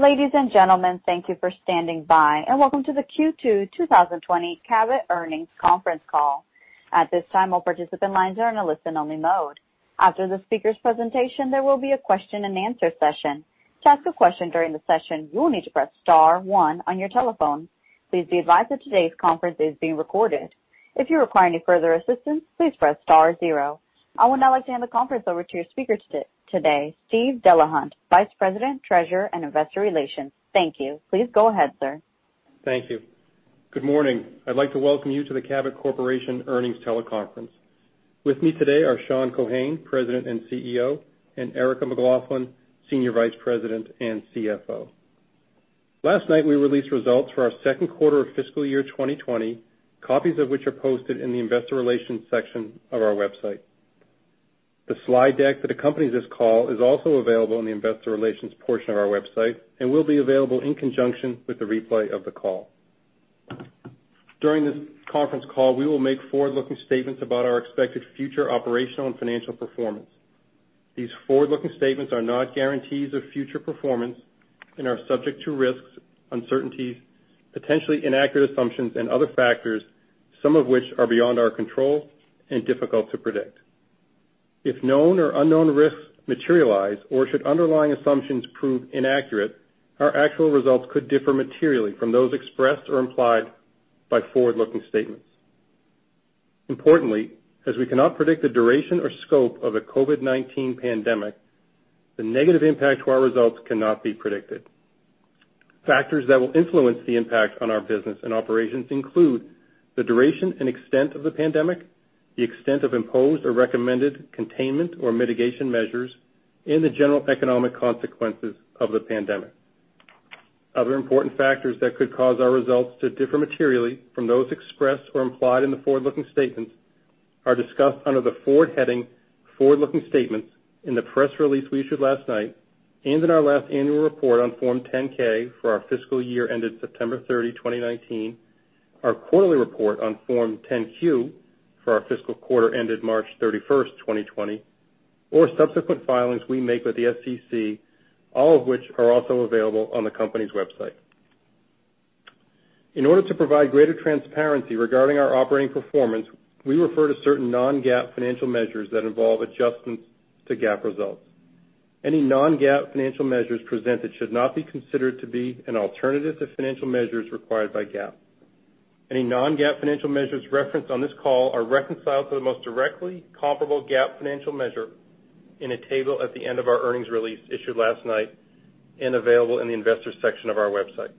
Ladies and gentlemen, thank you for standing by and welcome to the Q2 2020 Cabot Earnings Conference Call. At this time, all participant lines are in a listen only mode. After the speaker's presentation, there will be a question and answer session. To ask a question during the session, you will need to press star one on your telephone. Please be advised that today's conference is being recorded. If you require any further assistance, please press star zero. I would now like to hand the conference over to your speaker today, Steve Delahunt, Vice President, Treasurer, and Investor Relations. Thank you. Please go ahead, sir. Thank you. Good morning. I'd like to welcome you to the Cabot Corporation Earnings Teleconference. With me today are Sean Keohane, President and CEO, and Erica McLaughlin, Senior Vice President and CFO. Last night, we released results for our second quarter of fiscal year 2020, copies of which are posted in the investor relations section of our website. The slide deck that accompanies this call is also available in the investor relations portion of our website and will be available in conjunction with the replay of the call. During this conference call, we will make forward-looking statements about our expected future operational and financial performance. These forward-looking statements are not guarantees of future performance and are subject to risks, uncertainties, potentially inaccurate assumptions and other factors, some of which are beyond our control and difficult to predict. If known or unknown risks materialize or should underlying assumptions prove inaccurate, our actual results could differ materially from those expressed or implied by forward-looking statements. Importantly, as we cannot predict the duration or scope of the COVID-19 pandemic, the negative impact to our results cannot be predicted. Factors that will influence the impact on our business and operations include the duration and extent of the pandemic, the extent of imposed or recommended containment or mitigation measures, and the general economic consequences of the pandemic. Other important factors that could cause our results to differ materially from those expressed or implied in the forward-looking statements are discussed under the forward heading Forward-Looking Statements in the press release we issued last night, and in our last annual report on Form 10-K for our fiscal year ended September 30, 2019, our quarterly report on Form 10-Q for our fiscal quarter ended March 31st, 2020, or subsequent filings we make with the SEC, all of which are also available on the company's website. In order to provide greater transparency regarding our operating performance, we refer to certain non-GAAP financial measures that involve adjustments to GAAP results. Any non-GAAP financial measures presented should not be considered to be an alternative to financial measures required by GAAP. Any non-GAAP financial measures referenced on this call are reconciled to the most directly comparable GAAP financial measure in a table at the end of our earnings release issued last night and available in the investor section of our website.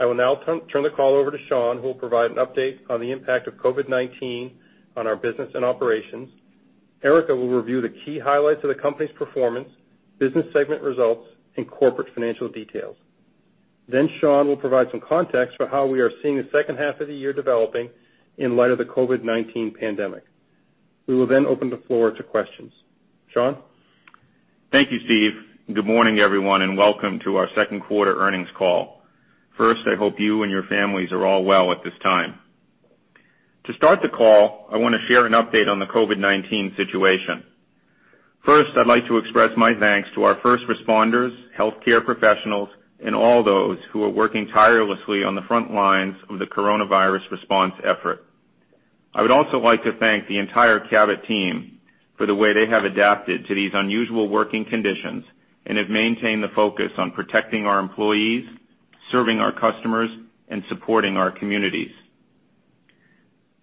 I will now turn the call over to Sean, who will provide an update on the impact of COVID-19 on our business and operations. Erica will review the key highlights of the company's performance, business segment results, and corporate financial details. Sean will provide some context for how we are seeing the second half of the year developing in light of the COVID-19 pandemic. We will then open the floor to questions. Sean? Thank you, Steve. Good morning, everyone, and welcome to our second quarter earnings call. First, I hope you and your families are all well at this time. To start the call, I want to share an update on the COVID-19 situation. First, I'd like to express my thanks to our first responders, healthcare professionals, and all those who are working tirelessly on the front lines of the coronavirus response effort. I would also like to thank the entire Cabot team for the way they have adapted to these unusual working conditions and have maintained the focus on protecting our employees, serving our customers, and supporting our communities.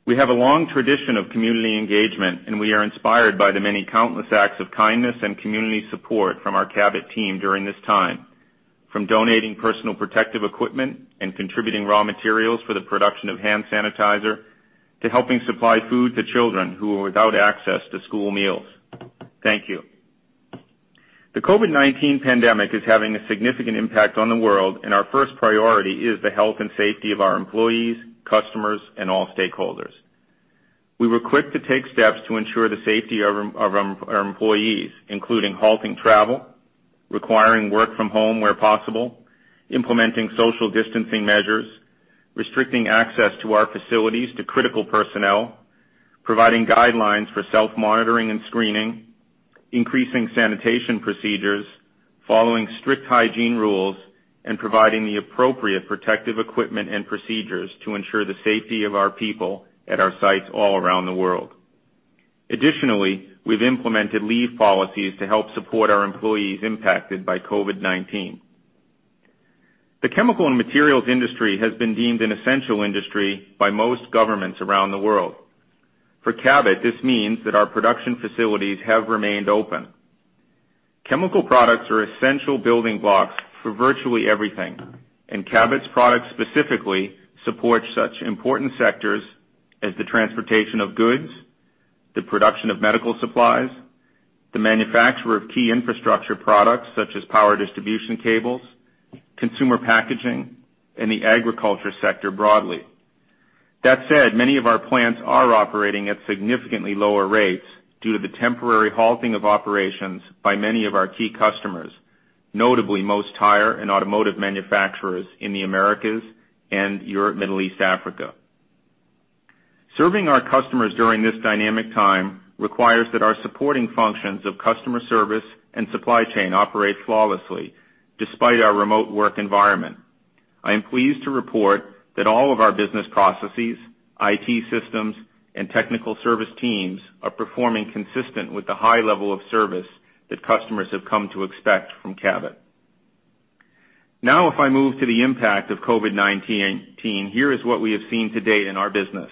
We have a long tradition of community engagement, and we are inspired by the many countless acts of kindness and community support from our Cabot team during this time. From donating personal protective equipment and contributing raw materials for the production of hand sanitizer, to helping supply food to children who are without access to school meals. Thank you. The COVID-19 pandemic is having a significant impact on the world, and our first priority is the health and safety of our employees, customers, and all stakeholders. We were quick to take steps to ensure the safety of our employees, including halting travel, requiring work from home where possible, implementing social distancing measures, restricting access to our facilities to critical personnel, providing guidelines for self-monitoring and screening, increasing sanitation procedures, following strict hygiene rules, and providing the appropriate protective equipment and procedures to ensure the safety of our people at our sites all around the world. Additionally, we've implemented leave policies to help support our employees impacted by COVID-19. The chemical and materials industry has been deemed an essential industry by most governments around the world. For Cabot, this means that our production facilities have remained open. Chemical products are essential building blocks for virtually everything, and Cabot's products specifically support such important sectors as the transportation of goods, the production of medical supplies, the manufacture of key infrastructure products such as power distribution cables, consumer packaging, and the agriculture sector broadly. Many of our plants are operating at significantly lower rates due to the temporary halting of operations by many of our key customers, notably most tire and automotive manufacturers in the Americas and Europe, Middle East, Africa. Serving our customers during this dynamic time requires that our supporting functions of customer service and supply chain operate flawlessly despite our remote work environment. I am pleased to report that all of our business processes, IT systems, and technical service teams are performing consistent with the high level of service that customers have come to expect from Cabot. If I move to the impact of COVID-19, here is what we have seen to date in our business.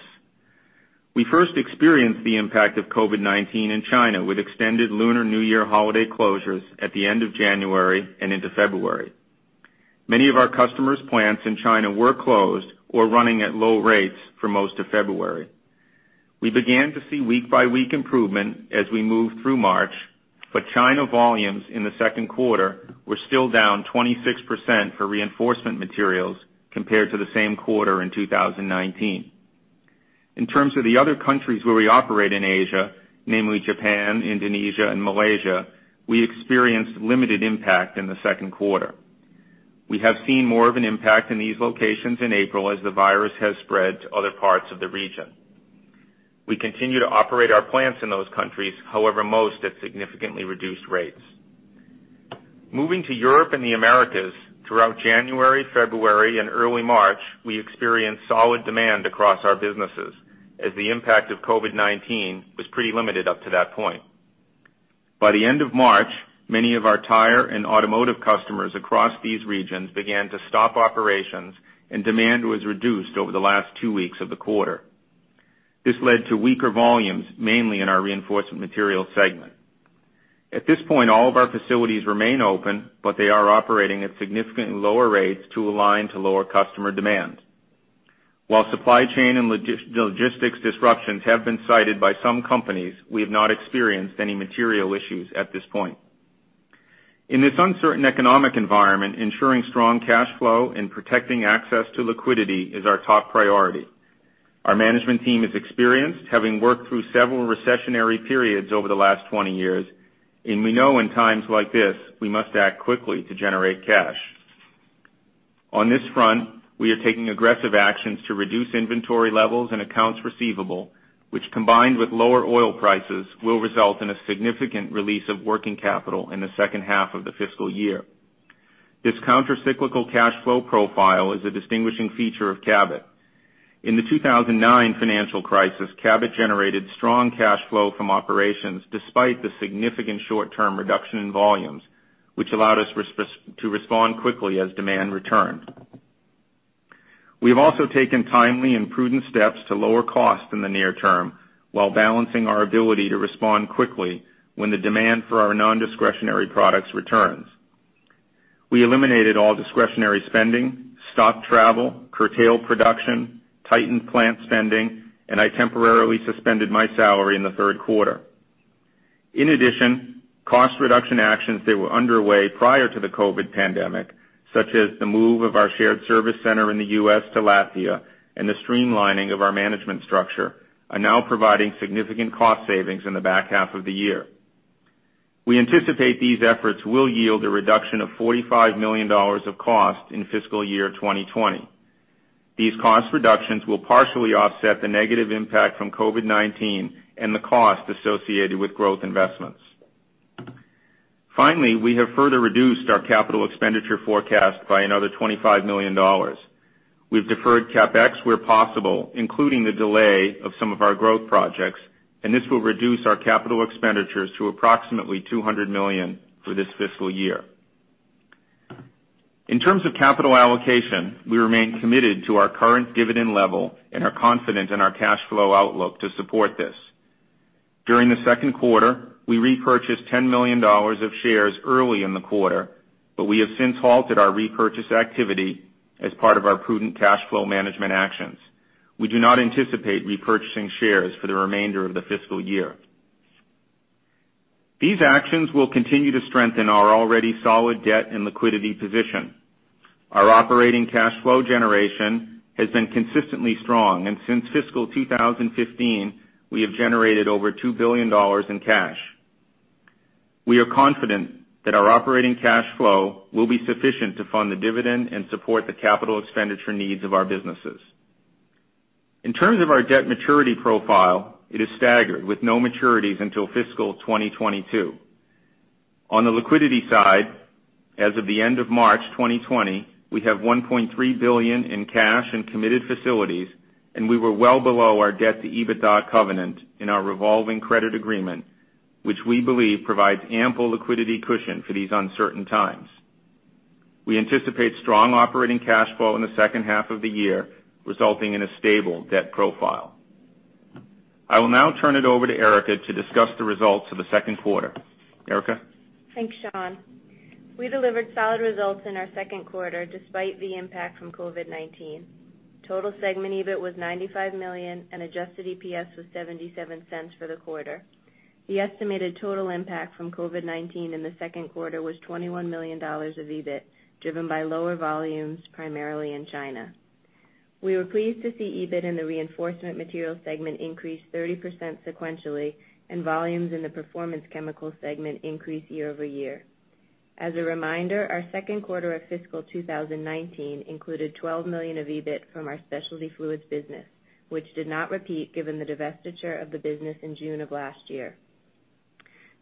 We first experienced the impact of COVID-19 in China with extended Lunar New Year holiday closures at the end of January and into February. Many of our customers' plants in China were closed or running at low rates for most of February. We began to see week-by-week improvement as we moved through March, but China volumes in the second quarter were still down 26% for reinforcement materials compared to the same quarter in 2019. In terms of the other countries where we operate in Asia, namely Japan, Indonesia, and Malaysia, we experienced limited impact in the second quarter. We have seen more of an impact in these locations in April as the virus has spread to other parts of the region. We continue to operate our plants in those countries. However, most at significantly reduced rates. Moving to Europe and the Americas, throughout January, February, and early March, we experienced solid demand across our businesses as the impact of COVID-19 was pretty limited up to that point. By the end of March, many of our tire and automotive customers across these regions began to stop operations, and demand was reduced over the last two weeks of the quarter. This led to weaker volumes, mainly in our reinforcement materials segment. At this point, all of our facilities remain open, but they are operating at significantly lower rates to align to lower customer demand. While supply chain and logistics disruptions have been cited by some companies, we have not experienced any material issues at this point. In this uncertain economic environment, ensuring strong cash flow and protecting access to liquidity is our top priority. Our management team is experienced, having worked through several recessionary periods over the last 20 years, and we know in times like this, we must act quickly to generate cash. On this front, we are taking aggressive actions to reduce inventory levels and accounts receivable, which, combined with lower oil prices, will result in a significant release of working capital in the second half of the fiscal year. This countercyclical cash flow profile is a distinguishing feature of Cabot. In the 2009 financial crisis, Cabot generated strong cash flow from operations despite the significant short-term reduction in volumes, which allowed us to respond quickly as demand returned. We have also taken timely and prudent steps to lower costs in the near term while balancing our ability to respond quickly when the demand for our nondiscretionary products returns. We eliminated all discretionary spending, stopped travel, curtailed production, tightened plant spending, and I temporarily suspended my salary in the third quarter. In addition, cost reduction actions that were underway prior to the COVID-19 pandemic, such as the move of our shared service center in the U.S. to Latvia and the streamlining of our management structure, are now providing significant cost savings in the back half of the year. We anticipate these efforts will yield a reduction of $45 million of cost in fiscal year 2020. These cost reductions will partially offset the negative impact from COVID-19 and the cost associated with growth investments. Finally, we have further reduced our capital expenditure forecast by another $25 million. We've deferred CapEx where possible, including the delay of some of our growth projects, and this will reduce our capital expenditures to approximately $200 million for this fiscal year. In terms of capital allocation, we remain committed to our current dividend level and are confident in our cash flow outlook to support this. During the second quarter, we repurchased $10 million of shares early in the quarter, but we have since halted our repurchase activity as part of our prudent cash flow management actions. We do not anticipate repurchasing shares for the remainder of the fiscal year. These actions will continue to strengthen our already solid debt and liquidity position. Our operating cash flow generation has been consistently strong. Since fiscal 2015, we have generated over $2 billion in cash. We are confident that our operating cash flow will be sufficient to fund the dividend and support the capital expenditure needs of our businesses. In terms of our debt maturity profile, it is staggered, with no maturities until fiscal 2022. On the liquidity side, as of the end of March 2020, we have $1.3 billion in cash and committed facilities. We were well below our debt-to-EBITDA covenant in our revolving credit agreement, which we believe provides ample liquidity cushion for these uncertain times. We anticipate strong operating cash flow in the second half of the year, resulting in a stable debt profile. I will now turn it over to Erica to discuss the results of the second quarter. Erica? Thanks, Sean. We delivered solid results in our second quarter despite the impact from COVID-19. Total segment EBIT was $95 million, and adjusted EPS was $0.77 for the quarter. The estimated total impact from COVID-19 in the second quarter was $21 million of EBIT, driven by lower volumes, primarily in China. We were pleased to see EBIT in the reinforcement materials segment increase 30% sequentially and volumes in the performance chemical segment increase year-over-year. As a reminder, our second quarter of fiscal 2019 included $12 million of EBIT from our specialty fluids business, which did not repeat given the divestiture of the business in June of last year.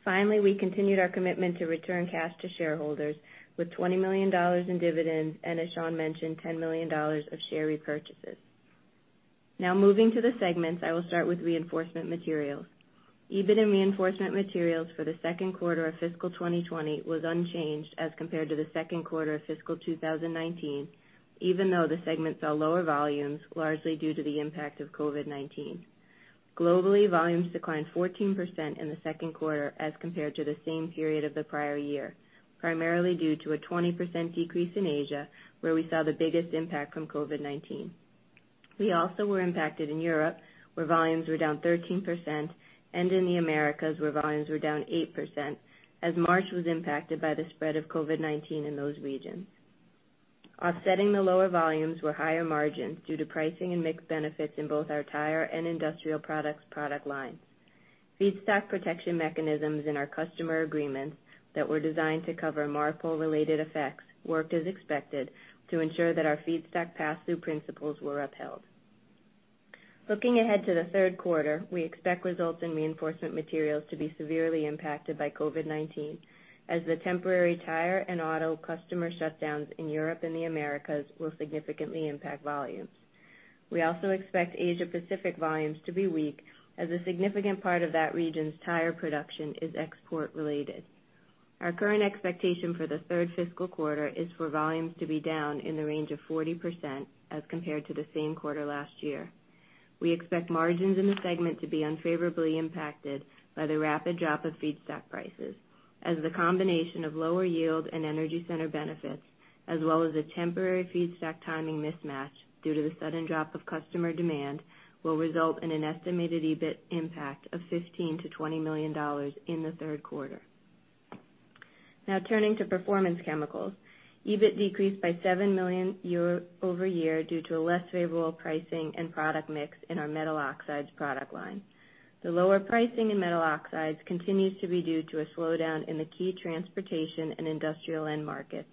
Finally, we continued our commitment to return cash to shareholders with $20 million in dividends, and as Sean mentioned, $10 million of share repurchases. Now moving to the segments, I will start with reinforcement materials. EBIT in reinforcement materials for the second quarter of fiscal 2020 was unchanged as compared to the second quarter of fiscal 2019, even though the segment saw lower volumes, largely due to the impact of COVID-19. Globally, volumes declined 14% in the second quarter as compared to the same period of the prior year, primarily due to a 20% decrease in Asia, where we saw the biggest impact from COVID-19. We also were impacted in Europe, where volumes were down 13%, and in the Americas, where volumes were down 8%, as March was impacted by the spread of COVID-19 in those regions. Offsetting the lower volumes were higher margins due to pricing and mix benefits in both our tire and industrial products product lines. Feedstock protection mechanisms in our customer agreements that were designed to cover MARPOL-related effects worked as expected to ensure that our feedstock passthrough principles were upheld. Looking ahead to the third quarter, we expect results in reinforcement materials to be severely impacted by COVID-19, as the temporary tire and auto customer shutdowns in Europe and the Americas will significantly impact volumes. We also expect Asia-Pacific volumes to be weak, as a significant part of that region's tire production is export-related. Our current expectation for the third fiscal quarter is for volumes to be down in the range of 40% as compared to the same quarter last year. We expect margins in the segment to be unfavorably impacted by the rapid drop of feedstock prices, as the combination of lower yield and energy center benefits, as well as a temporary feedstock timing mismatch due to the sudden drop of customer demand, will result in an estimated EBIT impact of $15 million-$20 million in the third quarter. Now turning to performance chemicals. EBIT decreased by $7 million year-over-year due to a less favorable pricing and product mix in our metal oxides product line. The lower pricing in metal oxides continues to be due to a slowdown in the key transportation and industrial end markets,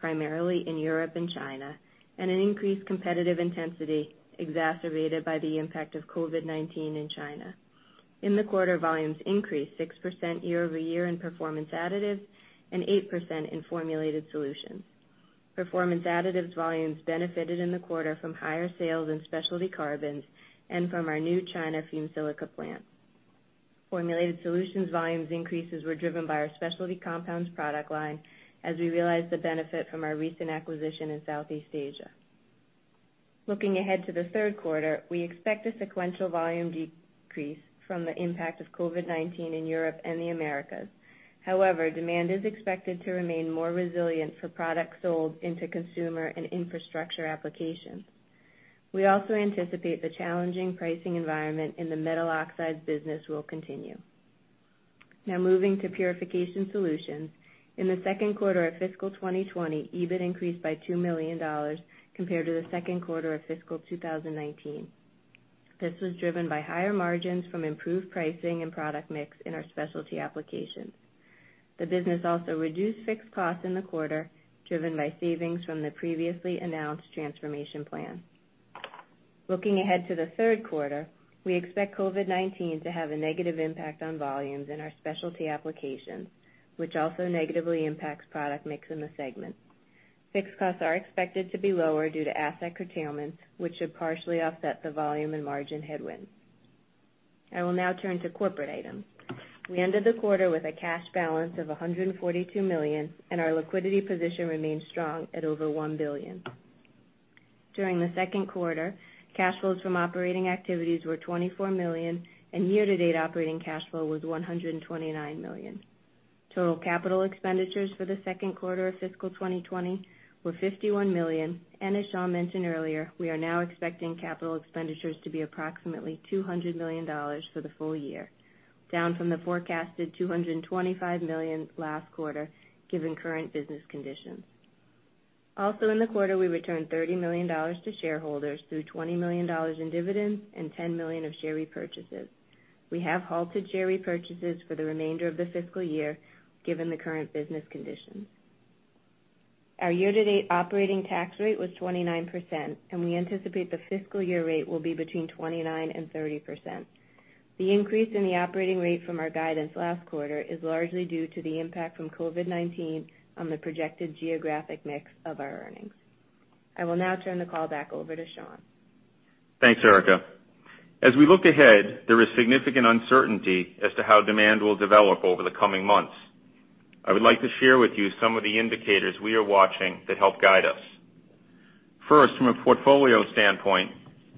primarily in Europe and China, and an increased competitive intensity exacerbated by the impact of COVID-19 in China. In the quarter, volumes increased 6% year-over-year in performance additives and 8% in formulated solutions. Performance additives volumes benefited in the quarter from higher sales in specialty carbons and from our new China fumed silica plant. Formulated solutions volumes increases were driven by our specialty compounds product line, as we realized the benefit from our recent acquisition in Southeast Asia. Looking ahead to the third quarter, we expect a sequential volume decrease from the impact of COVID-19 in Europe and the Americas. However, demand is expected to remain more resilient for products sold into consumer and infrastructure applications. We also anticipate the challenging pricing environment in the metal oxides business will continue. Now moving to purification solutions. In the second quarter of fiscal 2020, EBIT increased by $2 million compared to the second quarter of fiscal 2019. This was driven by higher margins from improved pricing and product mix in our specialty applications. The business also reduced fixed costs in the quarter, driven by savings from the previously announced transformation plan. Looking ahead to the third quarter, we expect COVID-19 to have a negative impact on volumes in our specialty applications, which also negatively impacts product mix in the segment. Fixed costs are expected to be lower due to asset curtailment, which should partially offset the volume and margin headwinds. I will now turn to corporate items. We ended the quarter with a cash balance of $142 million. Our liquidity position remains strong at over $1 billion. During the second quarter, cash flows from operating activities were $24 million. Year-to-date operating cash flow was $129 million. Total capital expenditures for the second quarter of fiscal 2020 were $51 million. As Sean mentioned earlier, we are now expecting capital expenditures to be approximately $200 million for the full year, down from the forecasted $225 million last quarter given current business conditions. Also in the quarter, we returned $30 million to shareholders through $20 million in dividends and $10 million of share repurchases. We have halted share repurchases for the remainder of the fiscal year given the current business conditions. Our year-to-date operating tax rate was 29%. We anticipate the fiscal year rate will be between 29% and 30%. The increase in the operating rate from our guidance last quarter is largely due to the impact from COVID-19 on the projected geographic mix of our earnings. I will now turn the call back over to Sean. Thanks, Erica. As we look ahead, there is significant uncertainty as to how demand will develop over the coming months. I would like to share with you some of the indicators we are watching that help guide us. First, from a portfolio standpoint,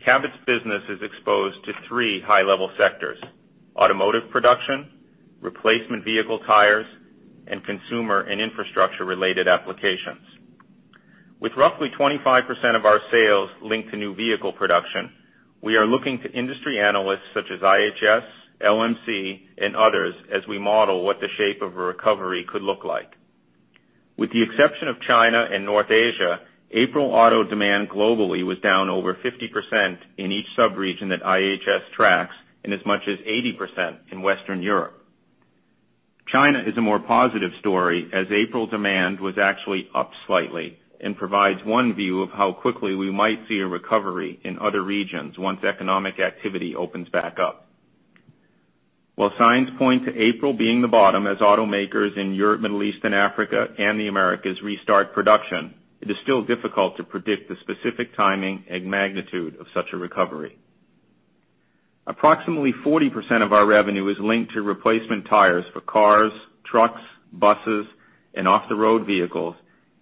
Cabot's business is exposed to three high-level sectors: automotive production, replacement vehicle tires, and consumer and infrastructure-related applications. With roughly 25% of our sales linked to new vehicle production, we are looking to industry analysts such as IHS, LMC, and others as we model what the shape of a recovery could look like. With the exception of China and North Asia, April auto demand globally was down over 50% in each sub-region that IHS tracks, and as much as 80% in Western Europe. China is a more positive story, as April demand was actually up slightly and provides one view of how quickly we might see a recovery in other regions once economic activity opens back up. While signs point to April being the bottom as automakers in Europe, Middle East and Africa, and the Americas restart production, it is still difficult to predict the specific timing and magnitude of such a recovery. Approximately 40% of our revenue is linked to replacement tires for cars, trucks, buses, and off-the-road vehicles,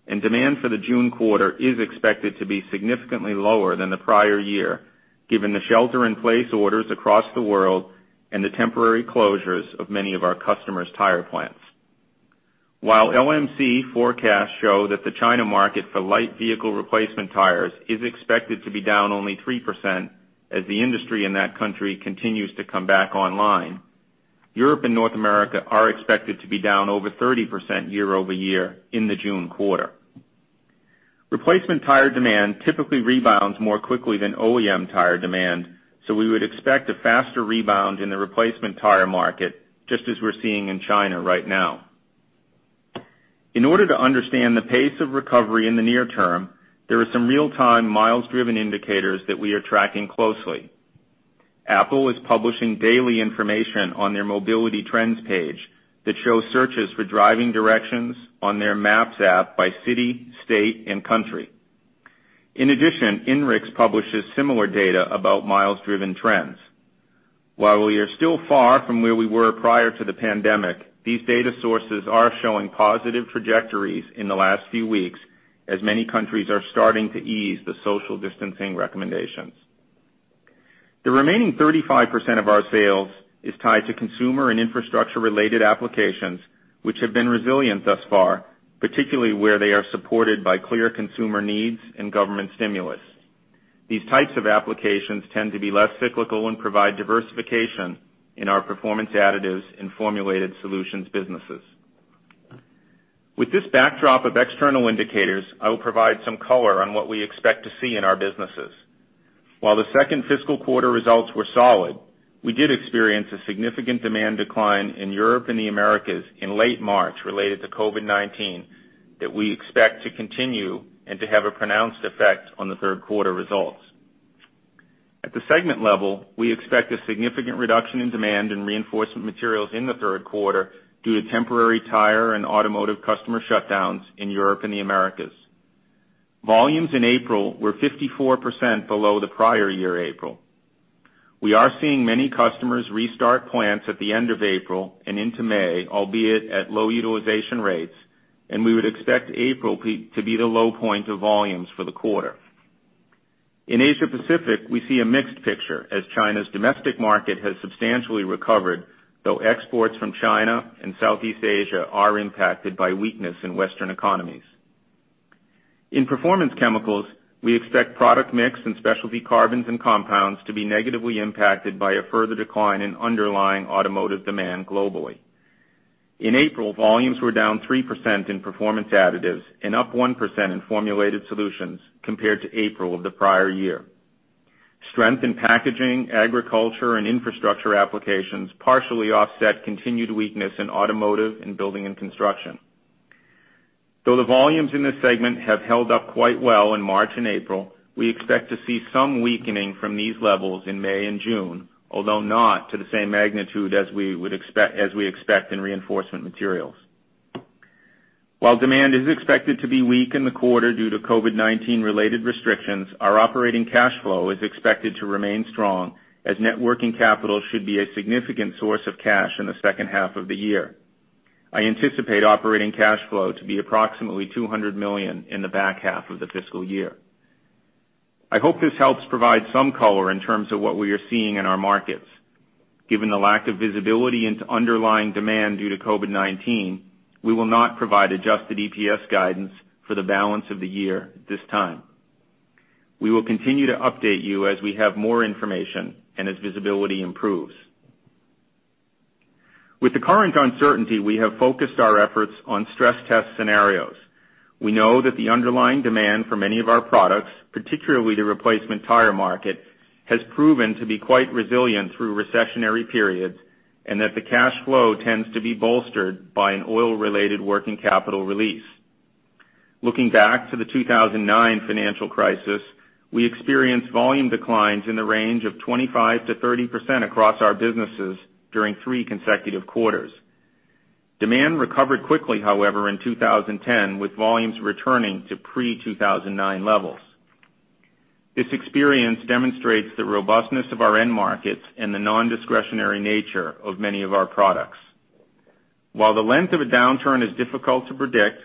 and demand for the June quarter is expected to be significantly lower than the prior year, given the shelter-in-place orders across the world and the temporary closures of many of our customers' tire plants. While LMC forecasts show that the China market for light vehicle replacement tires is expected to be down only 3% as the industry in that country continues to come back online, Europe and North America are expected to be down over 30% year-over-year in the June quarter. Replacement tire demand typically rebounds more quickly than OEM tire demand, so we would expect a faster rebound in the replacement tire market, just as we're seeing in China right now. In order to understand the pace of recovery in the near term, there are some real-time miles driven indicators that we are tracking closely. Apple is publishing daily information on their mobility trends page that shows searches for driving directions on their maps app by city, state, and country. In addition, INRIX publishes similar data about miles-driven trends. While we are still far from where we were prior to the pandemic, these data sources are showing positive trajectories in the last few weeks as many countries are starting to ease the social distancing recommendations. The remaining 35% of our sales is tied to consumer and infrastructure-related applications, which have been resilient thus far, particularly where they are supported by clear consumer needs and government stimulus. These types of applications tend to be less cyclical and provide diversification in our performance additives and formulated solutions businesses. With this backdrop of external indicators, I will provide some color on what we expect to see in our businesses. While the second fiscal quarter results were solid, we did experience a significant demand decline in Europe and the Americas in late March related to COVID-19 that we expect to continue and to have a pronounced effect on the third quarter results. At the segment level, we expect a significant reduction in demand in reinforcement materials in the third quarter due to temporary tire and automotive customer shutdowns in Europe and the Americas. Volumes in April were 54% below the prior year April. We are seeing many customers restart plants at the end of April and into May, albeit at low utilization rates, and we would expect April to be the low point of volumes for the quarter. In Asia Pacific, we see a mixed picture as China's domestic market has substantially recovered, though exports from China and Southeast Asia are impacted by weakness in Western economies. In performance chemicals, we expect product mix in specialty carbons and compounds to be negatively impacted by a further decline in underlying automotive demand globally. In April, volumes were down 3% in performance additives and up 1% in formulated solutions compared to April of the prior year. Strength in packaging, agriculture, and infrastructure applications partially offset continued weakness in automotive and building and construction. Though the volumes in this segment have held up quite well in March and April, we expect to see some weakening from these levels in May and June, although not to the same magnitude as we expect in reinforcement materials. While demand is expected to be weak in the quarter due to COVID-19 related restrictions, our operating cash flow is expected to remain strong as net working capital should be a significant source of cash in the second half of the year. I anticipate operating cash flow to be approximately $200 million in the back half of the fiscal year. I hope this helps provide some color in terms of what we are seeing in our markets. Given the lack of visibility into underlying demand due to COVID-19, we will not provide adjusted EPS guidance for the balance of the year this time. We will continue to update you as we have more information and as visibility improves. With the current uncertainty, we have focused our efforts on stress test scenarios. We know that the underlying demand for many of our products, particularly the replacement tire market, has proven to be quite resilient through recessionary periods, and that the cash flow tends to be bolstered by an oil-related working capital release. Looking back to the 2009 financial crisis, we experienced volume declines in the range of 25%-30% across our businesses during three consecutive quarters. Demand recovered quickly, however, in 2010 with volumes returning to pre-2009 levels. This experience demonstrates the robustness of our end markets and the non-discretionary nature of many of our products. While the length of a downturn is difficult to predict,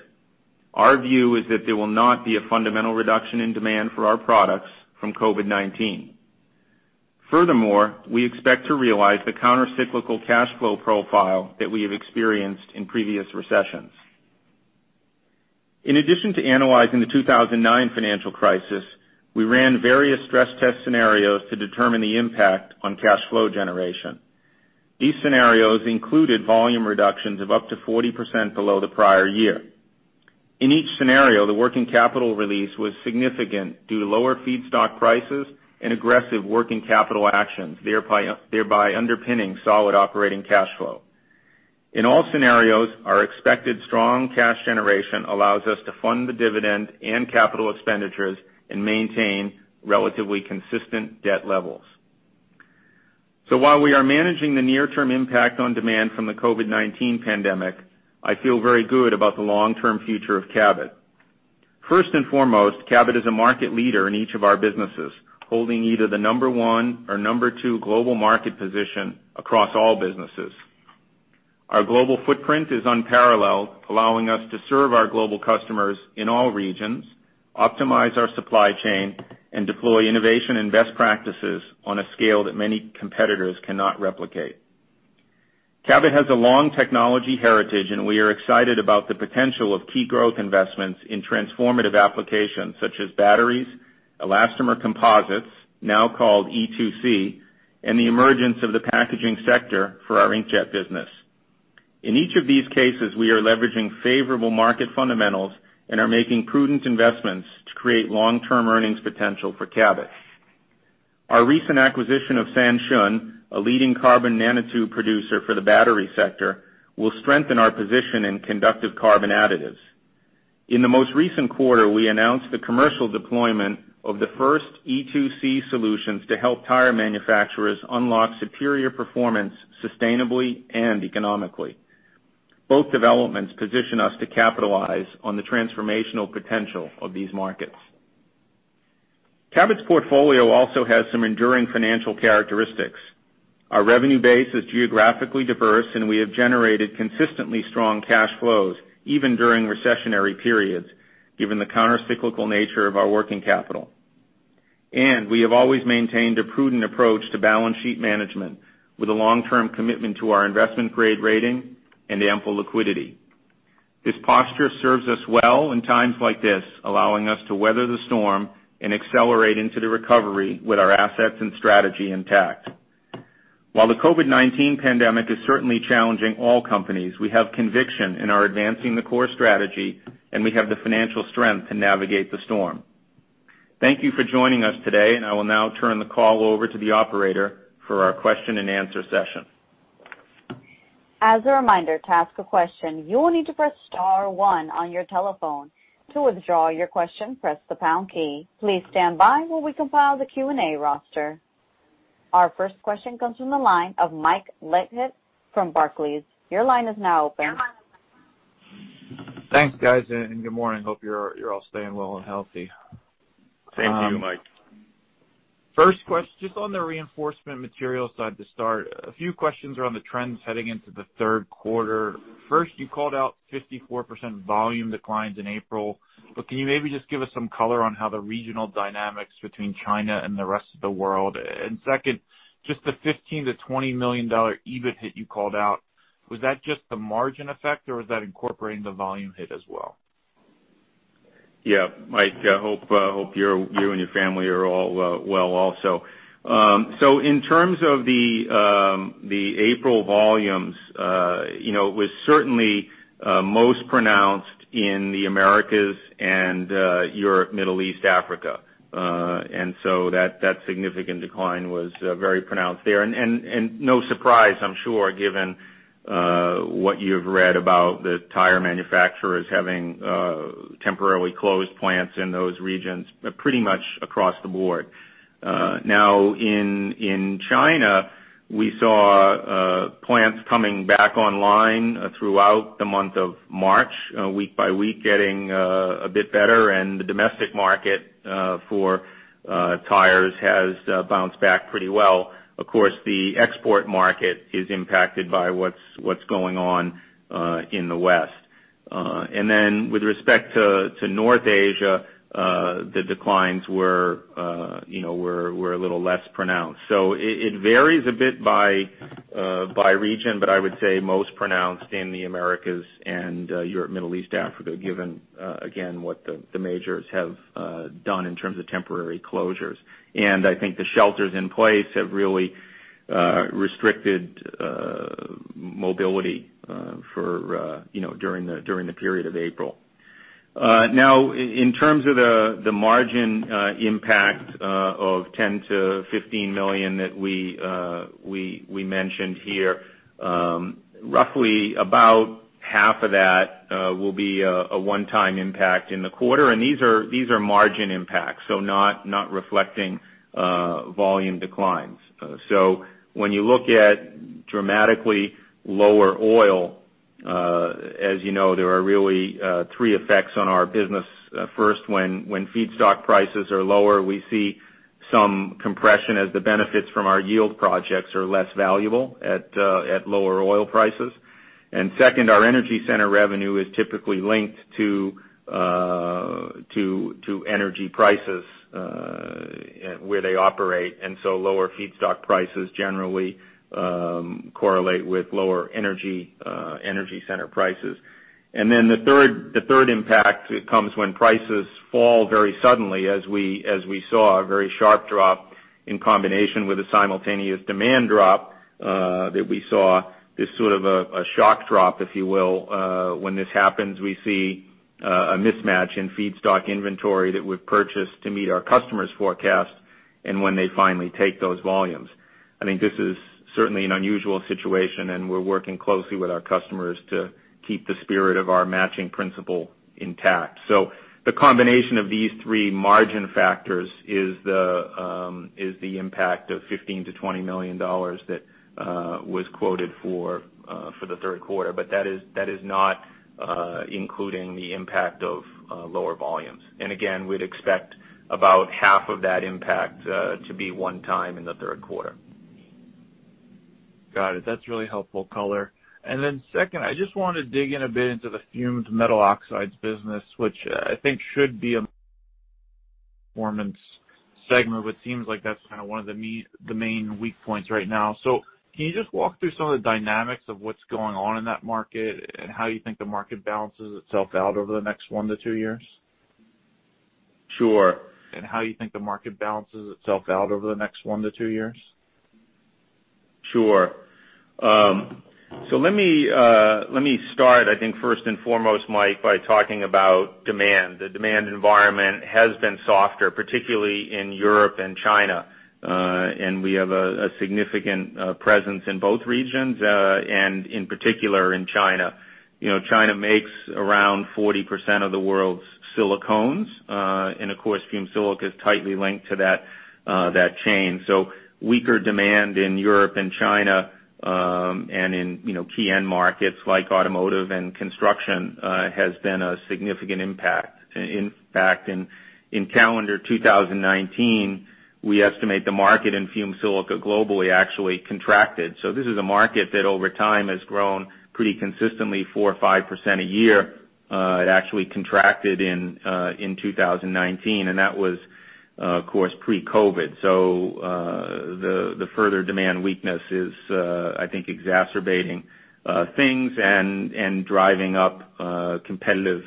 our view is that there will not be a fundamental reduction in demand for our products from COVID-19. We expect to realize the counter-cyclical cash flow profile that we have experienced in previous recessions. In addition to analyzing the 2009 financial crisis, we ran various stress test scenarios to determine the impact on cash flow generation. These scenarios included volume reductions of up to 40% below the prior year. In each scenario, the working capital release was significant due to lower feedstock prices and aggressive working capital actions, thereby underpinning solid operating cash flow. In all scenarios, our expected strong cash generation allows us to fund the dividend and capital expenditures and maintain relatively consistent debt levels. While we are managing the near-term impact on demand from the COVID-19 pandemic, I feel very good about the long-term future of Cabot. First and foremost, Cabot is a market leader in each of our businesses, holding either the number one or number two global market position across all businesses. Our global footprint is unparalleled, allowing us to serve our global customers in all regions, optimize our supply chain, and deploy innovation and best practices on a scale that many competitors cannot replicate. Cabot has a long technology heritage, and we are excited about the potential of key growth investments in transformative applications such as batteries, elastomer composites, now called E2C, and the emergence of the packaging sector for our inkjet business. In each of these cases, we are leveraging favorable market fundamentals and are making prudent investments to create long-term earnings potential for Cabot. Our recent acquisition of Sanshun, a leading carbon nanotube producer for the battery sector, will strengthen our position in conductive carbon additives. In the most recent quarter, we announced the commercial deployment of the first E2C solutions to help tire manufacturers unlock superior performance sustainably and economically. Both developments position us to capitalize on the transformational potential of these markets. Cabot's portfolio also has some enduring financial characteristics. Our revenue base is geographically diverse, and we have generated consistently strong cash flows, even during recessionary periods, given the counter-cyclical nature of our working capital. We have always maintained a prudent approach to balance sheet management with a long-term commitment to our investment-grade rating and ample liquidity. This posture serves us well in times like this, allowing us to weather the storm and accelerate into the recovery with our assets and strategy intact. While the COVID-19 pandemic is certainly challenging all companies, we have conviction in our advancing the core strategy, and we have the financial strength to navigate the storm. Thank you for joining us today, and I will now turn the call over to the operator for our question and answer session. As a reminder, to ask a question, you will need to press star one on your telephone. To withdraw your question, press the pound key. Please stand by while we compile the Q&A roster. Our first question comes from the line of Mike Leithead from Barclays. Your line is now open. Thanks, guys, and good morning. Hope you're all staying well and healthy. Same to you, Mike. First question, just on the reinforcement materials side to start, a few questions around the trends heading into the third quarter. First, you called out 54% volume declines in April, but can you maybe just give us some color on how the regional dynamics between China and the rest of the world? Second, just the $15 million-$20 million EBIT hit you called out, was that just the margin effect or was that incorporating the volume hit as well? Yeah, Mike, I hope you and your family are all well also. In terms of the April volumes, it was certainly most pronounced in the Americas and Europe, Middle East, Africa. That significant decline was very pronounced there. No surprise, I'm sure, given what you've read about the tire manufacturers having temporarily closed plants in those regions, but pretty much across the board. Now in China, we saw plants coming back online throughout the month of March, week by week getting a bit better, and the domestic market for tires has bounced back pretty well. Of course, the export market is impacted by what's going on in the West. With respect to North Asia, the declines were a little less pronounced. It varies a bit by region, but I would say most pronounced in the Americas and Europe, Middle East, Africa, given again, what the majors have done in terms of temporary closures. I think the shelters in place have really restricted mobility during the period of April. In terms of the margin impact of $10 million-$15 million that we mentioned here, roughly about half of that will be a one-time impact in the quarter. These are margin impacts, so not reflecting volume declines. When you look at dramatically lower oil, as you know, there are really three effects on our business. First, when feedstock prices are lower, we see some compression as the benefits from our yield projects are less valuable at lower oil prices. Second, our energy center revenue is typically linked to energy prices where they operate, so lower feedstock prices generally correlate with lower energy center prices. Then the third impact comes when prices fall very suddenly as we saw a very sharp drop in combination with a simultaneous demand drop that we saw, this sort of a shock drop, if you will. When this happens, we see a mismatch in feedstock inventory that we've purchased to meet our customers' forecasts and when they finally take those volumes. I think this is certainly an unusual situation, and we're working closely with our customers to keep the spirit of our matching principle intact. The combination of these three margin factors is the impact of $15 million-$20 million that was quoted for the third quarter. That is not including the impact of lower volumes. Again, we'd expect about half of that impact to be one time in the third quarter. Got it. That's really helpful color. Second, I just want to dig in a bit into the Fumed Metal Oxides business, which I think should be a performance segment, but seems like that's kind of one of the main weak points right now. Can you just walk through some of the dynamics of what's going on in that market and how you think the market balances itself out over the next one to two years? Sure. How you think the market balances itself out over the next one to two years? Sure. Let me start, I think, first and foremost, Mike, by talking about demand. The demand environment has been softer, particularly in Europe and China. We have a significant presence in both regions, and in particular in China. China makes around 40% of the world's silicones. Of course, fumed silica is tightly linked to that chain. Weaker demand in Europe and China, and in key end markets like automotive and construction, has been a significant impact. In fact, in calendar 2019, we estimate the market in fumed silica globally actually contracted. This is a market that over time has grown pretty consistently 4% or 5% a year. It actually contracted in 2019, and that was, of course, pre-COVID. The further demand weakness is, I think, exacerbating things and driving up competitive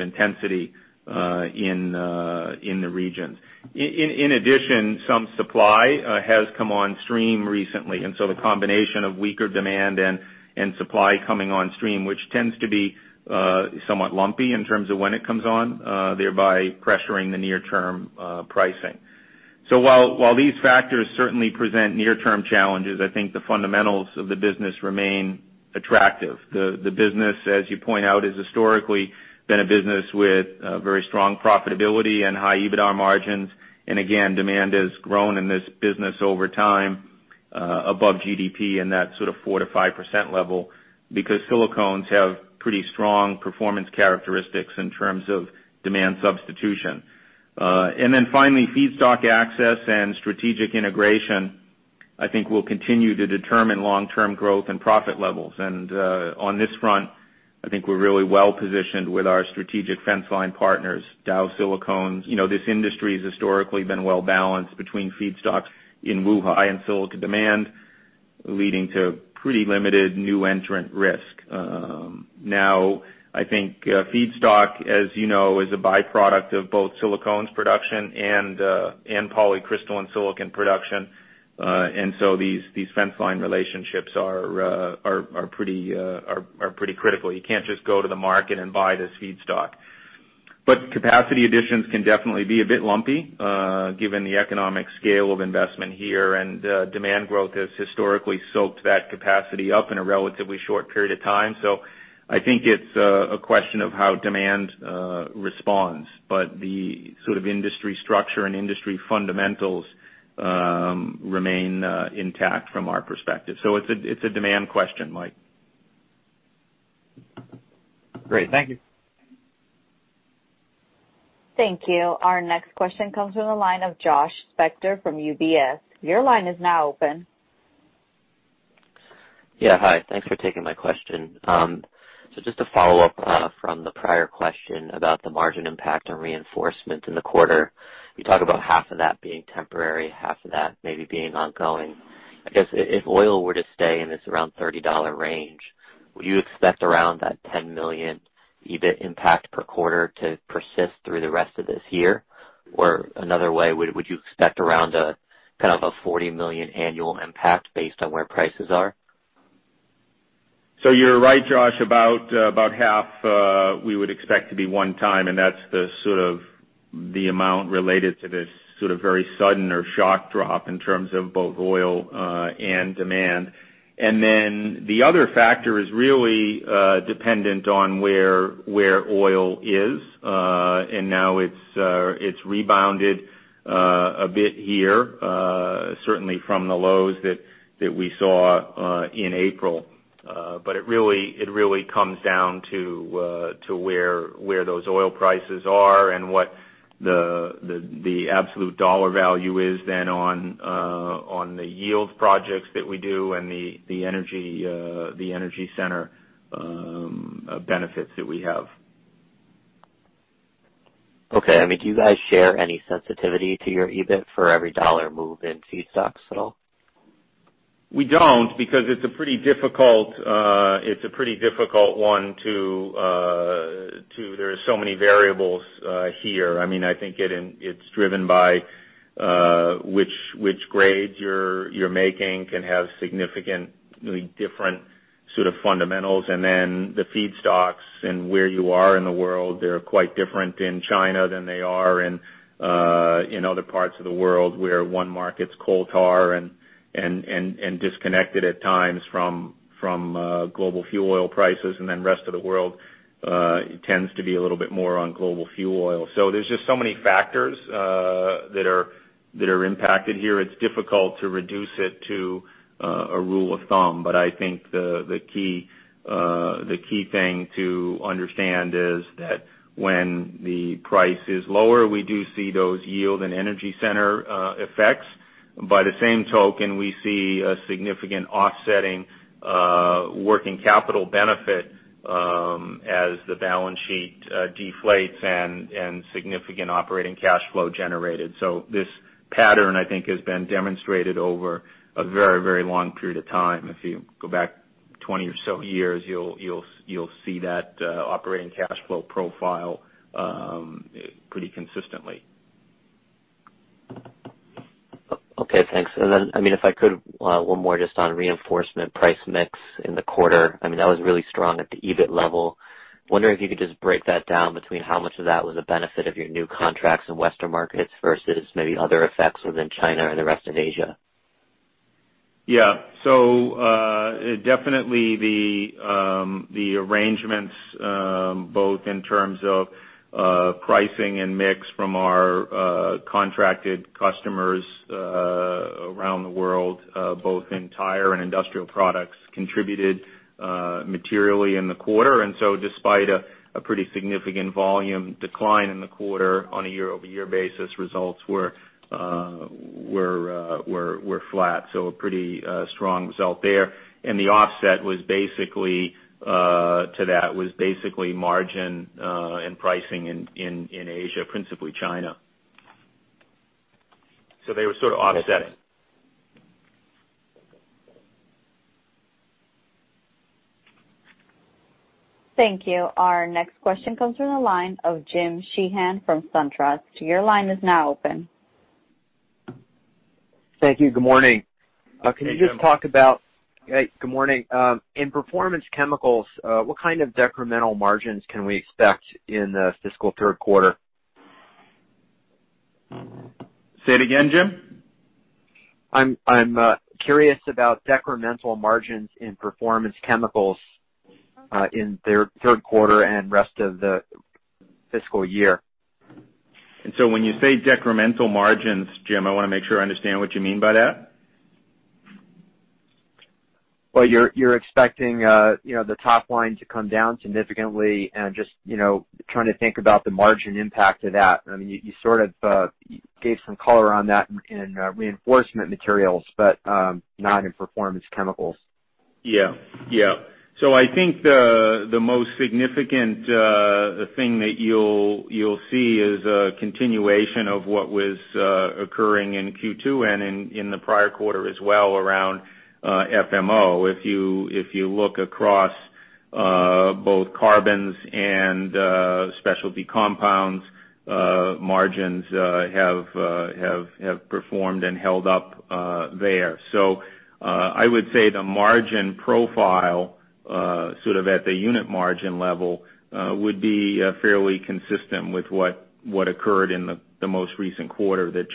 intensity in the region. In addition, some supply has come on stream recently, the combination of weaker demand and supply coming on stream, which tends to be somewhat lumpy in terms of when it comes on, thereby pressuring the near-term pricing. While these factors certainly present near-term challenges, I think the fundamentals of the business remain attractive. The business, as you point out, has historically been a business with very strong profitability and high EBITDA margins. Again, demand has grown in this business over time above GDP in that sort of 4%-5% level because silicones have pretty strong performance characteristics in terms of demand substitution. Finally, feedstock access and strategic integration, I think will continue to determine long-term growth and profit levels. On this front, I think we're really well-positioned with our strategic fence line partners, Dow Silicones. This industry has historically been well-balanced between feedstocks in Wuhan and silica demand, leading to pretty limited new entrant risk. I think feedstock, as you know, is a byproduct of both silicones production and polycrystalline silicon production. These fence line relationships are pretty critical. You can't just go to the market and buy this feedstock. Capacity additions can definitely be a bit lumpy given the economic scale of investment here, and demand growth has historically soaked that capacity up in a relatively short period of time. I think it's a question of how demand responds, but the sort of industry structure and industry fundamentals remain intact from our perspective. It's a demand question, Mike. Great. Thank you. Thank you. Our next question comes from the line of Josh Spector from UBS. Your line is now open. Yeah. Hi. Thanks for taking my question. Just to follow up from the prior question about the margin impact and reinforcement in the quarter, you talk about half of that being temporary, half of that maybe being ongoing. I guess if oil were to stay in this around $30 range, would you expect around that $10 million EBIT impact per quarter to persist through the rest of this year? Or another way, would you expect around a kind of a $40 million annual impact based on where prices are? You're right, Josh. About half we would expect to be one time, that's the sort of the amount related to this sort of very sudden or shock drop in terms of both oil and demand. The other factor is really dependent on where oil is. Now it's rebounded a bit here, certainly from the lows that we saw in April. It really comes down to where those oil prices are and what the absolute dollar value is then on the yield projects that we do and the energy center benefits that we have. Okay. Do you guys share any sensitivity to your EBIT for every dollar move in feedstocks at all? We don't because it's a pretty difficult one to. There are so many variables here. I think it's driven by which grades you're making can have significantly different sort of fundamentals. The feedstocks and where you are in the world, they're quite different in China than they are in other parts of the world where one market's coal tar and disconnected at times from global fuel oil prices, and then rest of the world tends to be a little bit more on global fuel oil. There's just so many factors that are impacted here. It's difficult to reduce it to a rule of thumb. I think the key thing to understand is that when the price is lower, we do see those yield and energy center effects. By the same token, we see a significant offsetting working capital benefit as the balance sheet deflates and significant operating cash flow generated. This pattern, I think, has been demonstrated over a very long period of time. If you go back 20 or so years, you'll see that operating cash flow profile pretty consistently. Okay, thanks. If I could, one more just on reinforcement price mix in the quarter. That was really strong at the EBIT level. Wondering if you could just break that down between how much of that was a benefit of your new contracts in Western markets versus maybe other effects within China and the rest of Asia. Yeah. Definitely the arrangements both in terms of pricing and mix from our contracted customers around the world both in tire and industrial products contributed materially in the quarter. Despite a pretty significant volume decline in the quarter on a year-over-year basis, results were flat. A pretty strong result there. The offset to that was basically margin and pricing in Asia, principally China. They were sort of offsetting. Thank you. Our next question comes from the line of Jim Sheehan from SunTrust. Your line is now open. Thank you. Good morning. Hey, Jim. Good morning. In Performance Chemicals, what kind of decremental margins can we expect in the fiscal third quarter? Say it again, Jim. I'm curious about decremental margins in Performance Chemicals in their third quarter and rest of the fiscal year. When you say decremental margins, Jim, I want to make sure I understand what you mean by that. Well, you're expecting the top line to come down significantly and just trying to think about the margin impact of that. You sort of gave some color on that in Reinforcement Materials, but not in Performance Chemicals. I think the most significant thing that you'll see is a continuation of what was occurring in Q2 and in the prior quarter as well around FMO. If you look across both carbons and specialty compounds, margins have performed and held up there. I would say the margin profile sort of at the unit margin level would be fairly consistent with what occurred in the most recent quarter that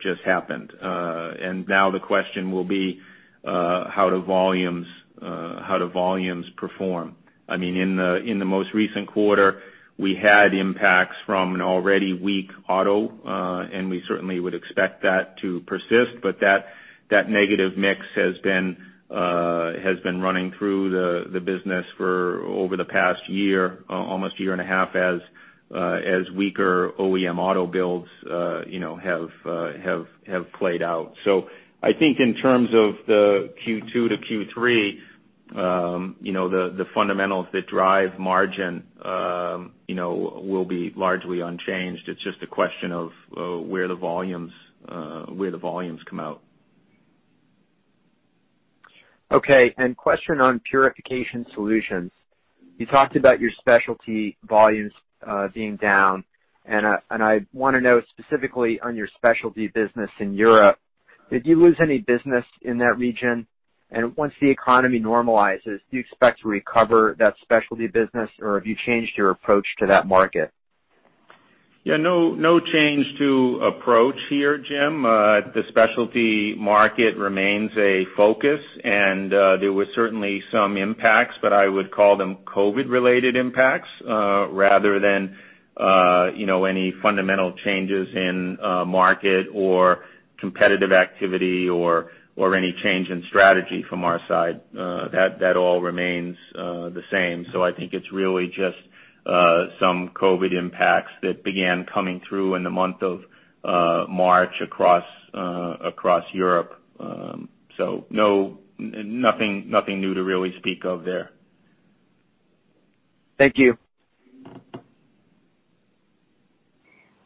just happened. Now the question will be how do volumes perform? In the most recent quarter, we had impacts from an already weak auto, and we certainly would expect that to persist, but that negative mix has been running through the business for over the past year, almost a year and a half as weaker OEM auto builds have played out. I think in terms of the Q2 to Q3, the fundamentals that drive margin will be largely unchanged. It's just a question of where the volumes come out. Okay. Question on Purification Solutions. You talked about your specialty volumes being down, and I want to know specifically on your specialty business in Europe. Did you lose any business in that region? Once the economy normalizes, do you expect to recover that specialty business, or have you changed your approach to that market? Yeah. No change to approach here, Jim. The specialty market remains a focus, and there were certainly some impacts, but I would call them COVID-related impacts rather than any fundamental changes in market or competitive activity or any change in strategy from our side. That all remains the same. I think it's really just some COVID impacts that began coming through in the month of March across Europe. Nothing new to really speak of there. Thank you.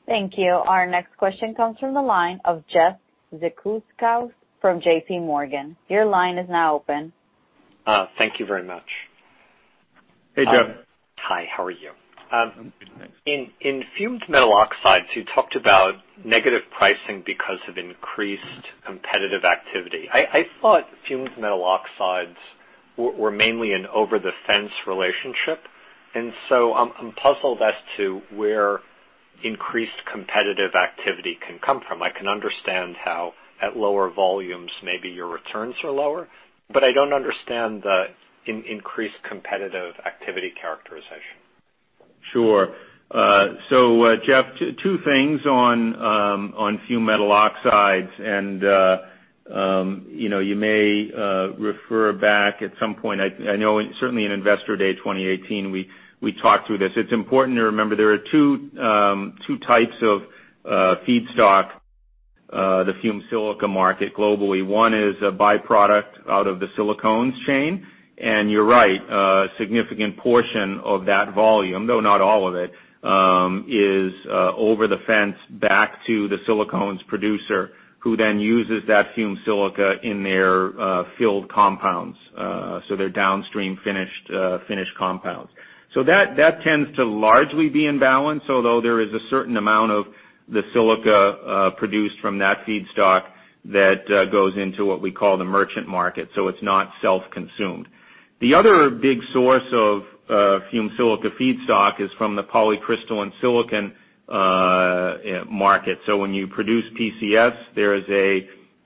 Thank you. Our next question comes from the line of Jeff Zekauskas from JPMorgan. Your line is now open. Thank you very much. Hey, Jeff. Hi, how are you? I'm good, thanks. In Fumed Metal Oxides, you talked about negative pricing because of increased competitive activity. I thought Fumed Metal Oxides were mainly an over the fence relationship. I'm puzzled as to where increased competitive activity can come from. I can understand how at lower volumes, maybe your returns are lower. I don't understand the increased competitive activity characterization. Sure. Jeff, two things on Fumed Metal Oxides and you may refer back at some point. I know certainly in Investor Day 2018, we talked through this. It's important to remember there are two types of feedstock, the fumed silica market globally. One is a by-product out of the silicones chain. You're right, a significant portion of that volume, though not all of it, is over the fence back to the silicones producer, who then uses that fumed silica in their filled compounds. Their downstream finished compounds. That tends to largely be in balance, although there is a certain amount of the silica produced from that feedstock that goes into what we call the merchant market. It's not self-consumed. The other big source of fumed silica feedstock is from the polycrystalline silicon market. When you produce PCS, there is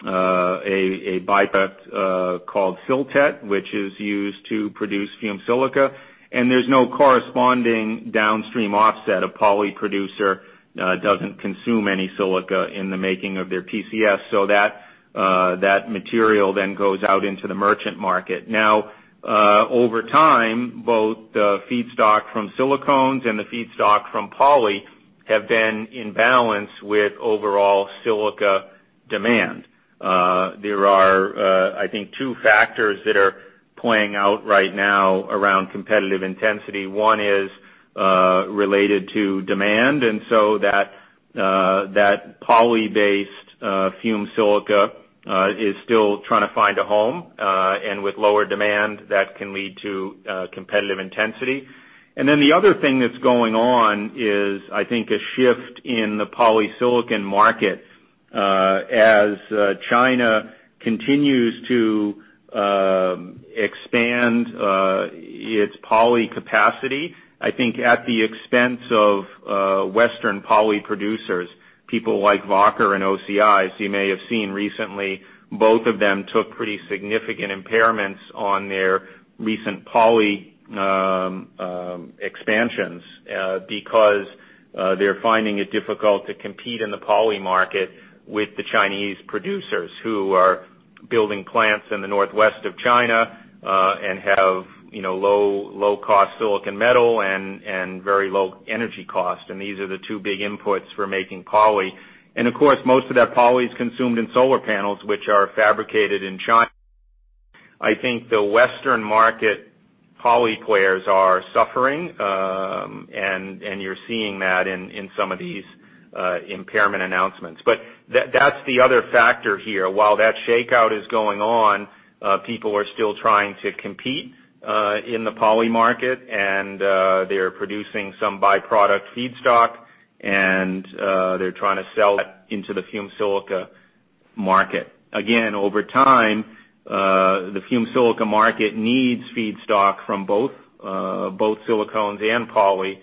a by-product called sil-tet, which is used to produce fumed silica, and there's no corresponding downstream offset. A poly producer doesn't consume any silica in the making of their PCS. That material then goes out into the merchant market. Now, over time, both the feedstock from silicones and the feedstock from poly have been in balance with overall silica demand. There are I think two factors that are playing out right now around competitive intensity. One is related to demand, that poly-based fumed silica is still trying to find a home. With lower demand, that can lead to competitive intensity. The other thing that's going on is, I think, a shift in the polysilicon market. As China continues to expand its poly capacity, I think at the expense of Western poly producers, people like Wacker and OCI. As you may have seen recently, both of them took pretty significant impairments on their recent poly expansions because they're finding it difficult to compete in the poly market with the Chinese producers who are building plants in the northwest of China, and have low cost silicon metal and very low energy cost. These are the two big inputs for making poly. Of course, most of that poly is consumed in solar panels, which are fabricated in China. I think the Western market poly players are suffering, and you're seeing that in some of these impairment announcements. That's the other factor here. While that shakeout is going on, people are still trying to compete in the poly market, and they're producing some by-product feedstock, and they're trying to sell it into the fumed silica market. Over time, the fumed silica market needs feedstock from both silicones and poly to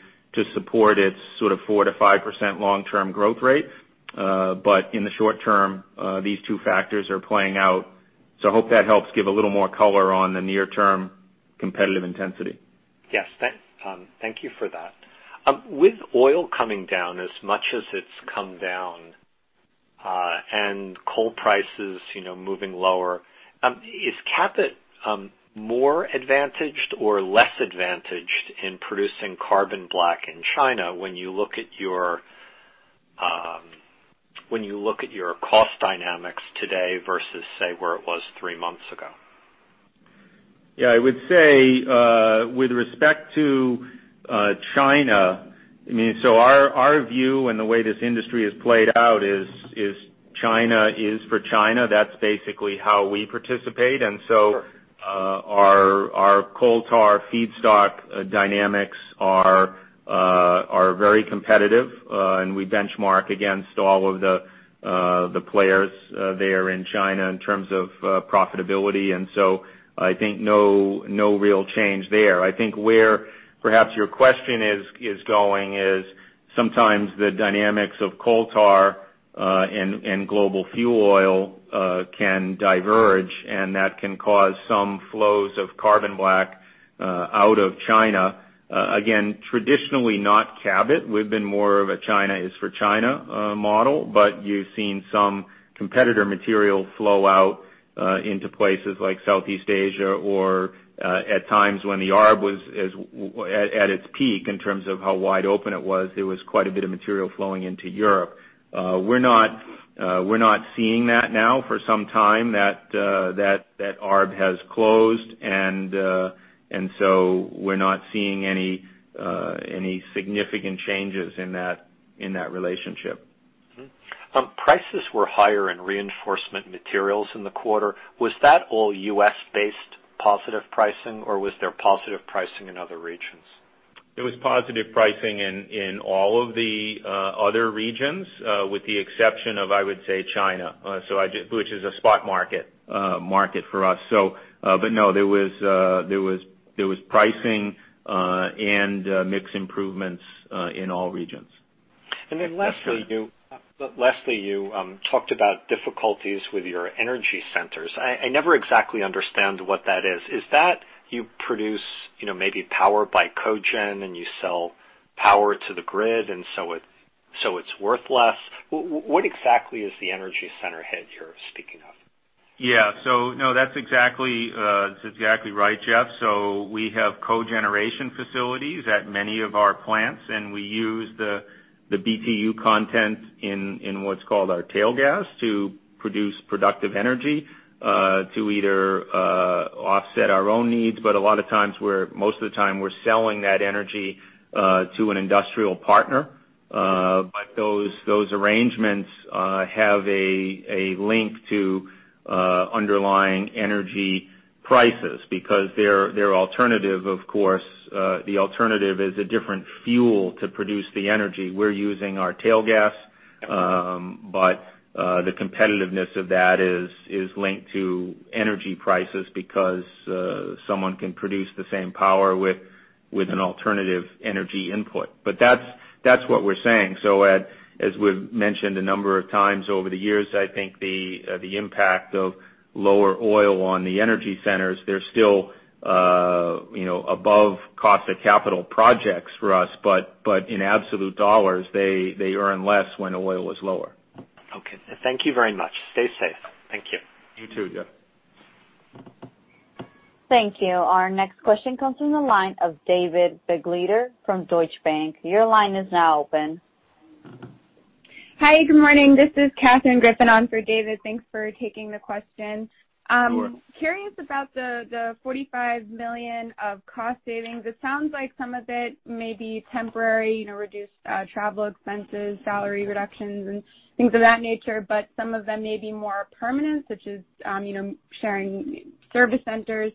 support its sort of 4%-5% long-term growth rate. In the short term, these two factors are playing out. I hope that helps give a little more color on the near-term competitive intensity. Yes. Thank you for that. With oil coming down as much as it's come down, and coal prices moving lower, is Cabot more advantaged or less advantaged in producing carbon black in China when you look at your cost dynamics today versus, say, where it was three months ago? Yeah, I would say, with respect to China, our view and the way this industry has played out is China is for China. That's basically how we participate. Sure Our coal tar feedstock dynamics are very competitive, and we benchmark against all of the players there in China in terms of profitability. I think no real change there. I think where perhaps your question is going is sometimes the dynamics of coal tar and global fuel oil can diverge, and that can cause some flows of carbon black out of China. Again, traditionally not Cabot. We've been more of a China is for China model. You've seen some competitor material flow out into places like Southeast Asia or at times when the arb was at its peak in terms of how wide open it was. There was quite a bit of material flowing into Europe. We're not seeing that now for some time. That arb has closed. We're not seeing any significant changes in that relationship. Mm-hmm. Prices were higher in reinforcement materials in the quarter. Was that all U.S.-based positive pricing, or was there positive pricing in other regions? It was positive pricing in all of the other regions, with the exception of, I would say, China which is a spot market for us. No, there was pricing and mix improvements in all regions. Lastly, you talked about difficulties with your energy centers. I never exactly understand what that is. Is that you produce maybe power by cogen, and you sell power to the grid, and so it's worth less? What exactly is the energy center hit you're speaking of? Yeah. No, that's exactly right, Jeff. We have cogeneration facilities at many of our plants, and we use the BTU content in what's called our tail gas to produce productive energy to either offset our own needs. A lot of times, most of the time, we're selling that energy to an industrial partner. Those arrangements have a link to underlying energy prices because their alternative, of course, the alternative is a different fuel to produce the energy. We're using our tail gas. Okay. The competitiveness of that is linked to energy prices because someone can produce the same power with an alternative energy input. That's what we're saying. As we've mentioned a number of times over the years, I think the impact of lower oil on the energy centers, they're still above cost of capital projects for us, but in absolute dollars, they earn less when oil is lower. Okay. Thank you very much. Stay safe. Thank you. You too, Jeff. Thank you. Our next question comes from the line of David Begleiter from Deutsche Bank. Your line is now open. Hi, good morning. This is Katherine Griffin on for David. Thanks for taking the question. Sure. Curious about the $45 million of cost savings. It sounds like some of it may be temporary reduced travel expenses, salary reductions, and things of that nature. Some of them may be more permanent, such as sharing service centers.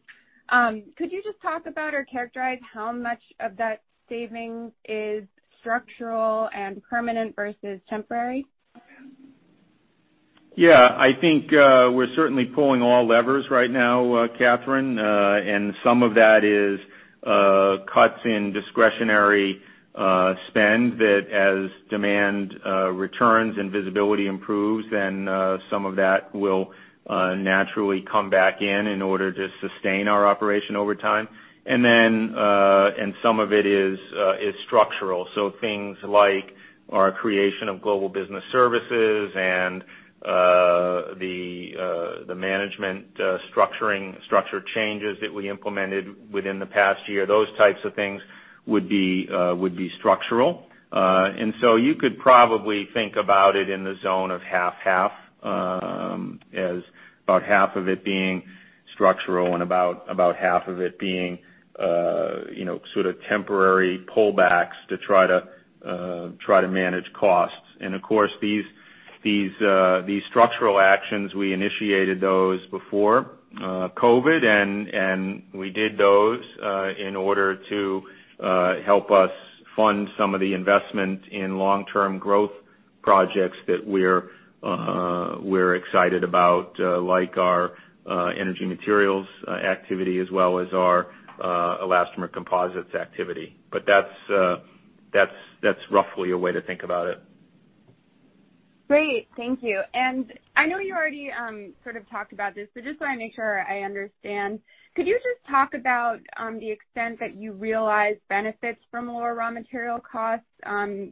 Could you just talk about or characterize how much of that saving is structural and permanent versus temporary? Yeah, I think we're certainly pulling all levers right now, Katherine. Some of that is cuts in discretionary spend that as demand returns and visibility improves, then some of that will naturally come back in order to sustain our operation over time. Some of it is structural. Things like our creation of global business services and the management structure changes that we implemented within the past year. Those types of things would be structural. You could probably think about it in the zone of 50/50, as about half of it being structural and about half of it being sort of temporary pullbacks to try to manage costs. Of course, these structural actions, we initiated those before COVID-19, and we did those in order to help us fund some of the investment in long-term growth projects that we're excited about like our Energy Materials activity as well as our Elastomer Composites activity. That's roughly a way to think about it. Great. Thank you. I know you already sort of talked about this, but just so I make sure I understand, could you just talk about the extent that you realized benefits from lower raw material costs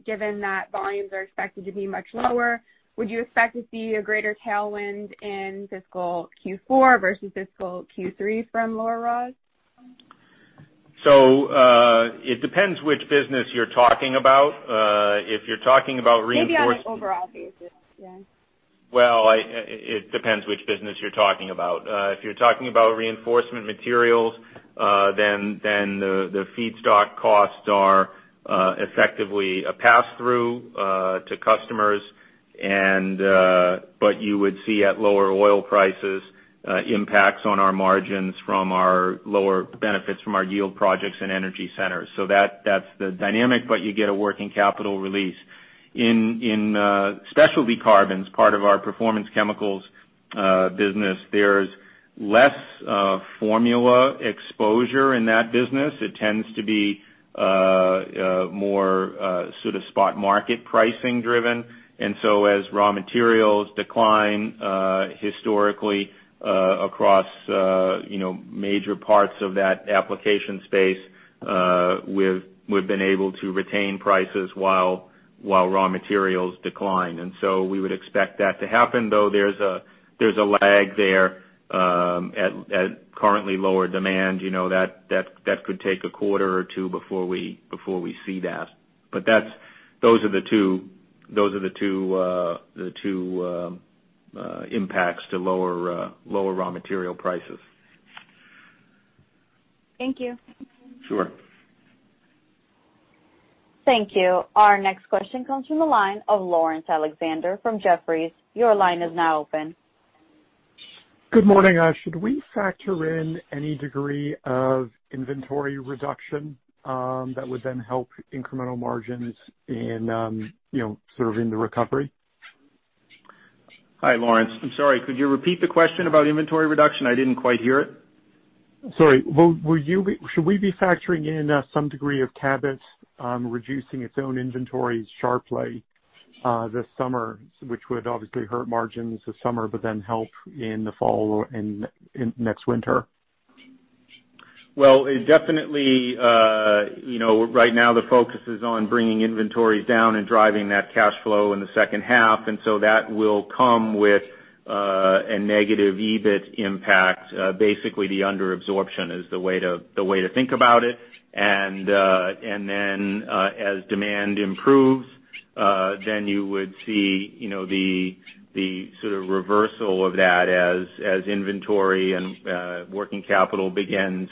given that volumes are expected to be much lower? Would you expect to see a greater tailwind in fiscal Q4 versus fiscal Q3 from lower raws? It depends which business you're talking about. If you're talking about reinforcement. Maybe on an overall basis, yeah. Well, it depends which business you're talking about. If you're talking about reinforcement materials, the feedstock costs are effectively a passthrough to customers. You would see at lower oil prices, impacts on our margins from our lower benefits from our yield projects and energy centers. That's the dynamic, but you get a working capital release. In specialty carbons, part of our performance chemicals business, there's less formula exposure in that business. It tends to be more sort of spot market pricing driven. As raw materials decline historically across major parts of that application space, we've been able to retain prices while raw materials decline. We would expect that to happen, though there's a lag there at currently lower demand. That could take a quarter or two before we see that. Those are the two impacts to lower raw material prices. Thank you. Sure. Thank you. Our next question comes from the line of Laurence Alexander from Jefferies. Your line is now open. Good morning, guys. Should we factor in any degree of inventory reduction that would then help incremental margins in the recovery? Hi, Laurence. I'm sorry, could you repeat the question about inventory reduction? I didn't quite hear it. Sorry. Should we be factoring in some degree of Cabot reducing its own inventories sharply this summer, which would obviously hurt margins this summer, but then help in the fall and next winter? Well, it definitely right now the focus is on bringing inventories down and driving that cash flow in the second half. That will come with a negative EBIT impact. Basically, the under-absorption is the way to think about it. As demand improves, then you would see the reversal of that as inventory and working capital begins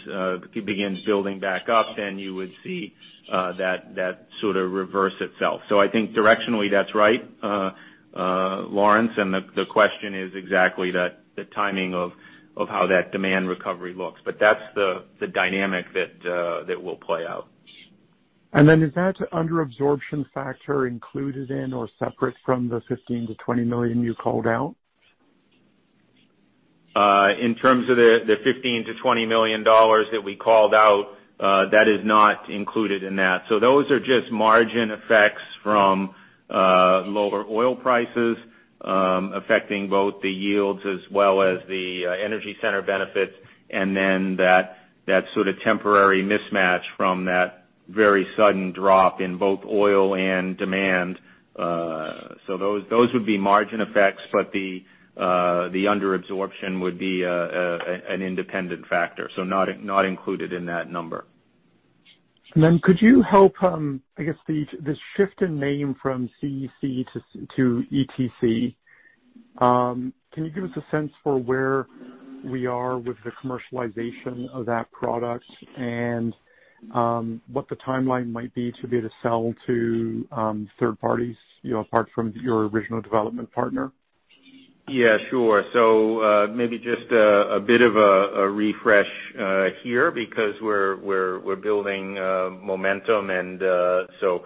building back up. You would see that reverse itself. I think directionally, that's right, Laurence. The question is exactly the timing of how that demand recovery looks. That's the dynamic that will play out. Is that under-absorption factor included in or separate from the $15 million-$20 million you called out? In terms of the $15 million-$20 million that we called out, that is not included in that. Those are just margin effects from lower oil prices affecting both the yields as well as the energy center benefits, and then that temporary mismatch from that very sudden drop in both oil and demand. Those would be margin effects, but the under-absorption would be an independent factor. Not included in that number. Could you help-- I guess this shift in name from CEC to E2C. Can you give us a sense for where we are with the commercialization of that product and what the timeline might be to be able to sell to third parties apart from your original development partner? Yeah, sure. Maybe just a bit of a refresh here because we're building momentum and so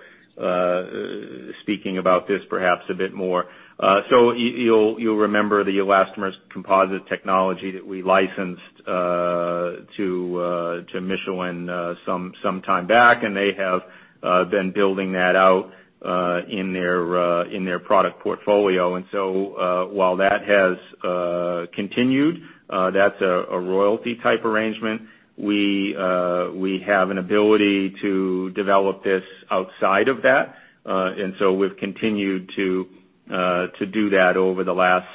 speaking about this perhaps a bit more. You'll remember the elastomers composite technology that we licensed to Michelin some time back, and they have been building that out in their product portfolio. While that has continued, that's a royalty type arrangement. We have an ability to develop this outside of that. We've continued to do that over the last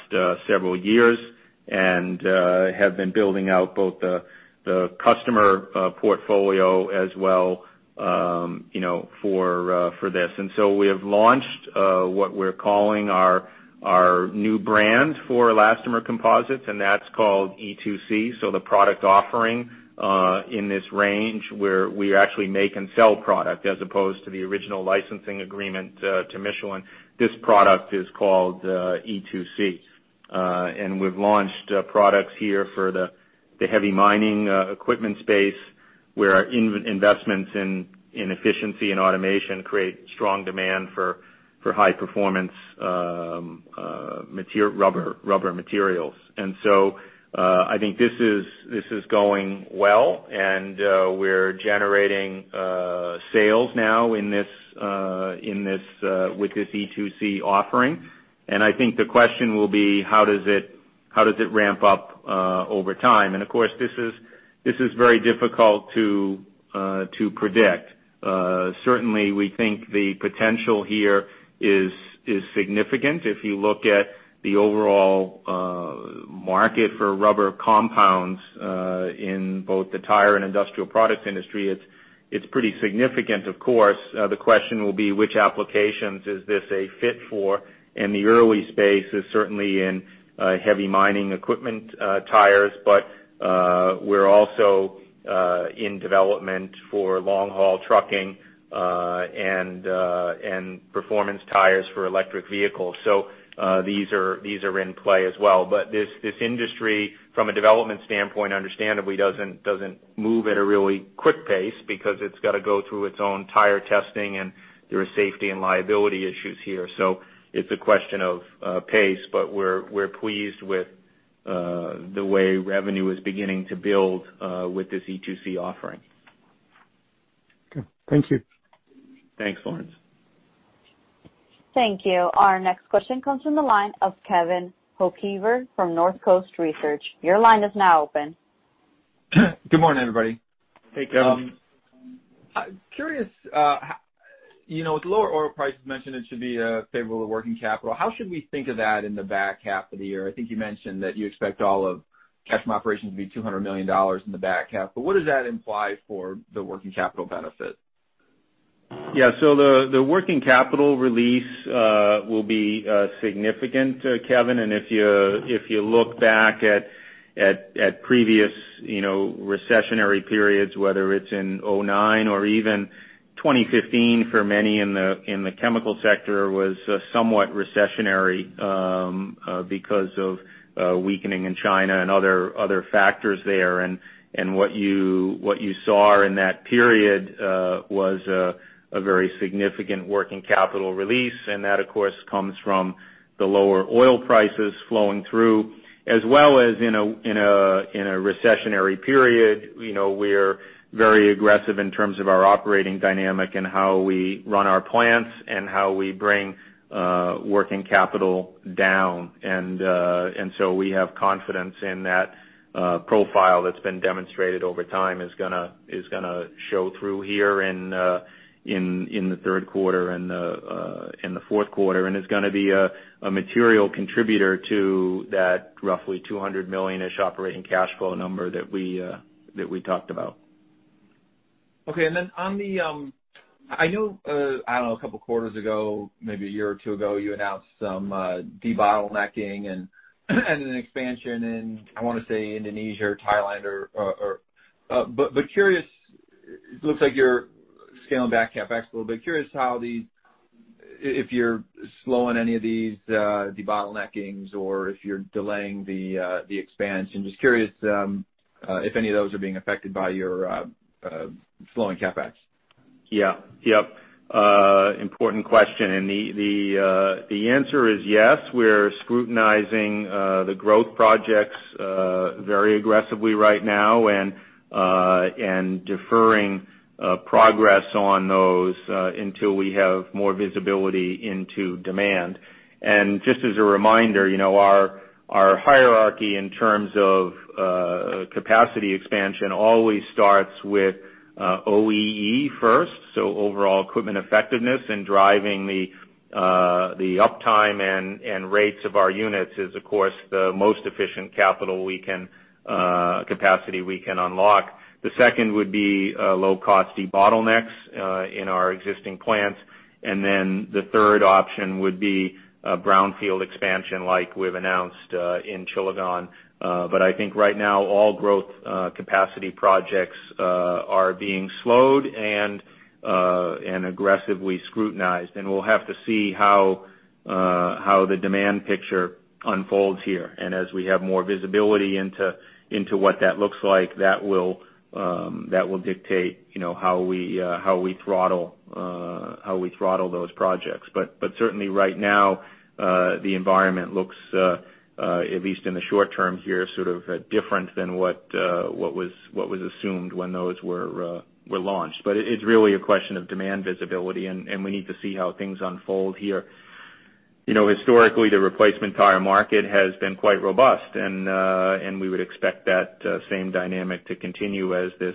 several years and have been building out both the customer portfolio as well for this. We have launched what we're calling our new brand for elastomer composites, and that's called E2C. The product offering in this range where we actually make and sell product as opposed to the original licensing agreement to Michelin, this product is called E2C. We've launched products here for the heavy mining equipment space where our investments in efficiency and automation create strong demand for high performance rubber materials. I think this is going well. We're generating sales now with this E2C offering. I think the question will be, how does it ramp up over time? Of course, this is very difficult to predict. Certainly, we think the potential here is significant. If you look at the overall market for rubber compounds in both the tire and industrial products industry, it's pretty significant, of course. The question will be which applications is this a fit for? In the early space is certainly in heavy mining equipment tires. We're also in development for long-haul trucking and performance tires for electric vehicles. These are in play as well. This industry, from a development standpoint, understandably doesn't move at a really quick pace because it's got to go through its own tire testing, and there are safety and liability issues here. It's a question of pace, but we're pleased with the way revenue is beginning to build with this E2C offering. Okay. Thank you. Thanks, Laurence. Thank you. Our next question comes from the line of Kevin Hocevar from Northcoast Research. Your line is now open. Good morning, everybody. Hey, Kevin. I'm curious, with lower oil prices mentioned, it should be favorable to working capital. How should we think of that in the back half of the year? I think you mentioned that you expect all of cash from operations to be $200 million in the back half. What does that imply for the working capital benefit? Yeah. The working capital release will be significant, Kevin. If you look back at previous recessionary periods, whether it's in 2009 or even 2015, for many in the chemical sector, was somewhat recessionary because of weakening in China and other factors there. What you saw in that period was a very significant working capital release, and that, of course, comes from the lower oil prices flowing through, as well as in a recessionary period. We're very aggressive in terms of our operating dynamic and how we run our plants and how we bring working capital down. We have confidence in that profile that's been demonstrated over time is going to show through here in the third quarter and the fourth quarter, and it's going to be a material contributor to that roughly $200 million-ish operating cash flow number that we talked about. Okay. I know, I don't know, a couple of quarters ago, maybe a year or two ago, you announced some debottlenecking and an expansion in, I want to say, Indonesia or Thailand. It looks like you're scaling back CapEx a little bit. Curious if you're slowing any of these debottleneckings or if you're delaying the expansion. Just curious if any of those are being affected by your slowing CapEx. Yeah. Important question. The answer is yes, we're scrutinizing the growth projects very aggressively right now and deferring progress on those until we have more visibility into demand. Just as a reminder, our hierarchy in terms of capacity expansion always starts with OEE first. Overall equipment effectiveness and driving the uptime and rates of our units is, of course, the most efficient capital capacity we can unlock. The second would be low-cost debottlenecks in our existing plants, the third option would be a brownfield expansion like we've announced in Cilegon. I think right now, all growth capacity projects are being slowed and aggressively scrutinized, and we'll have to see how the demand picture unfolds here. As we have more visibility into what that looks like, that will dictate how we throttle those projects. Certainly right now, the environment looks, at least in the short term here, sort of different than what was assumed when those were launched. It's really a question of demand visibility, and we need to see how things unfold here. Historically, the replacement tire market has been quite robust, and we would expect that same dynamic to continue as the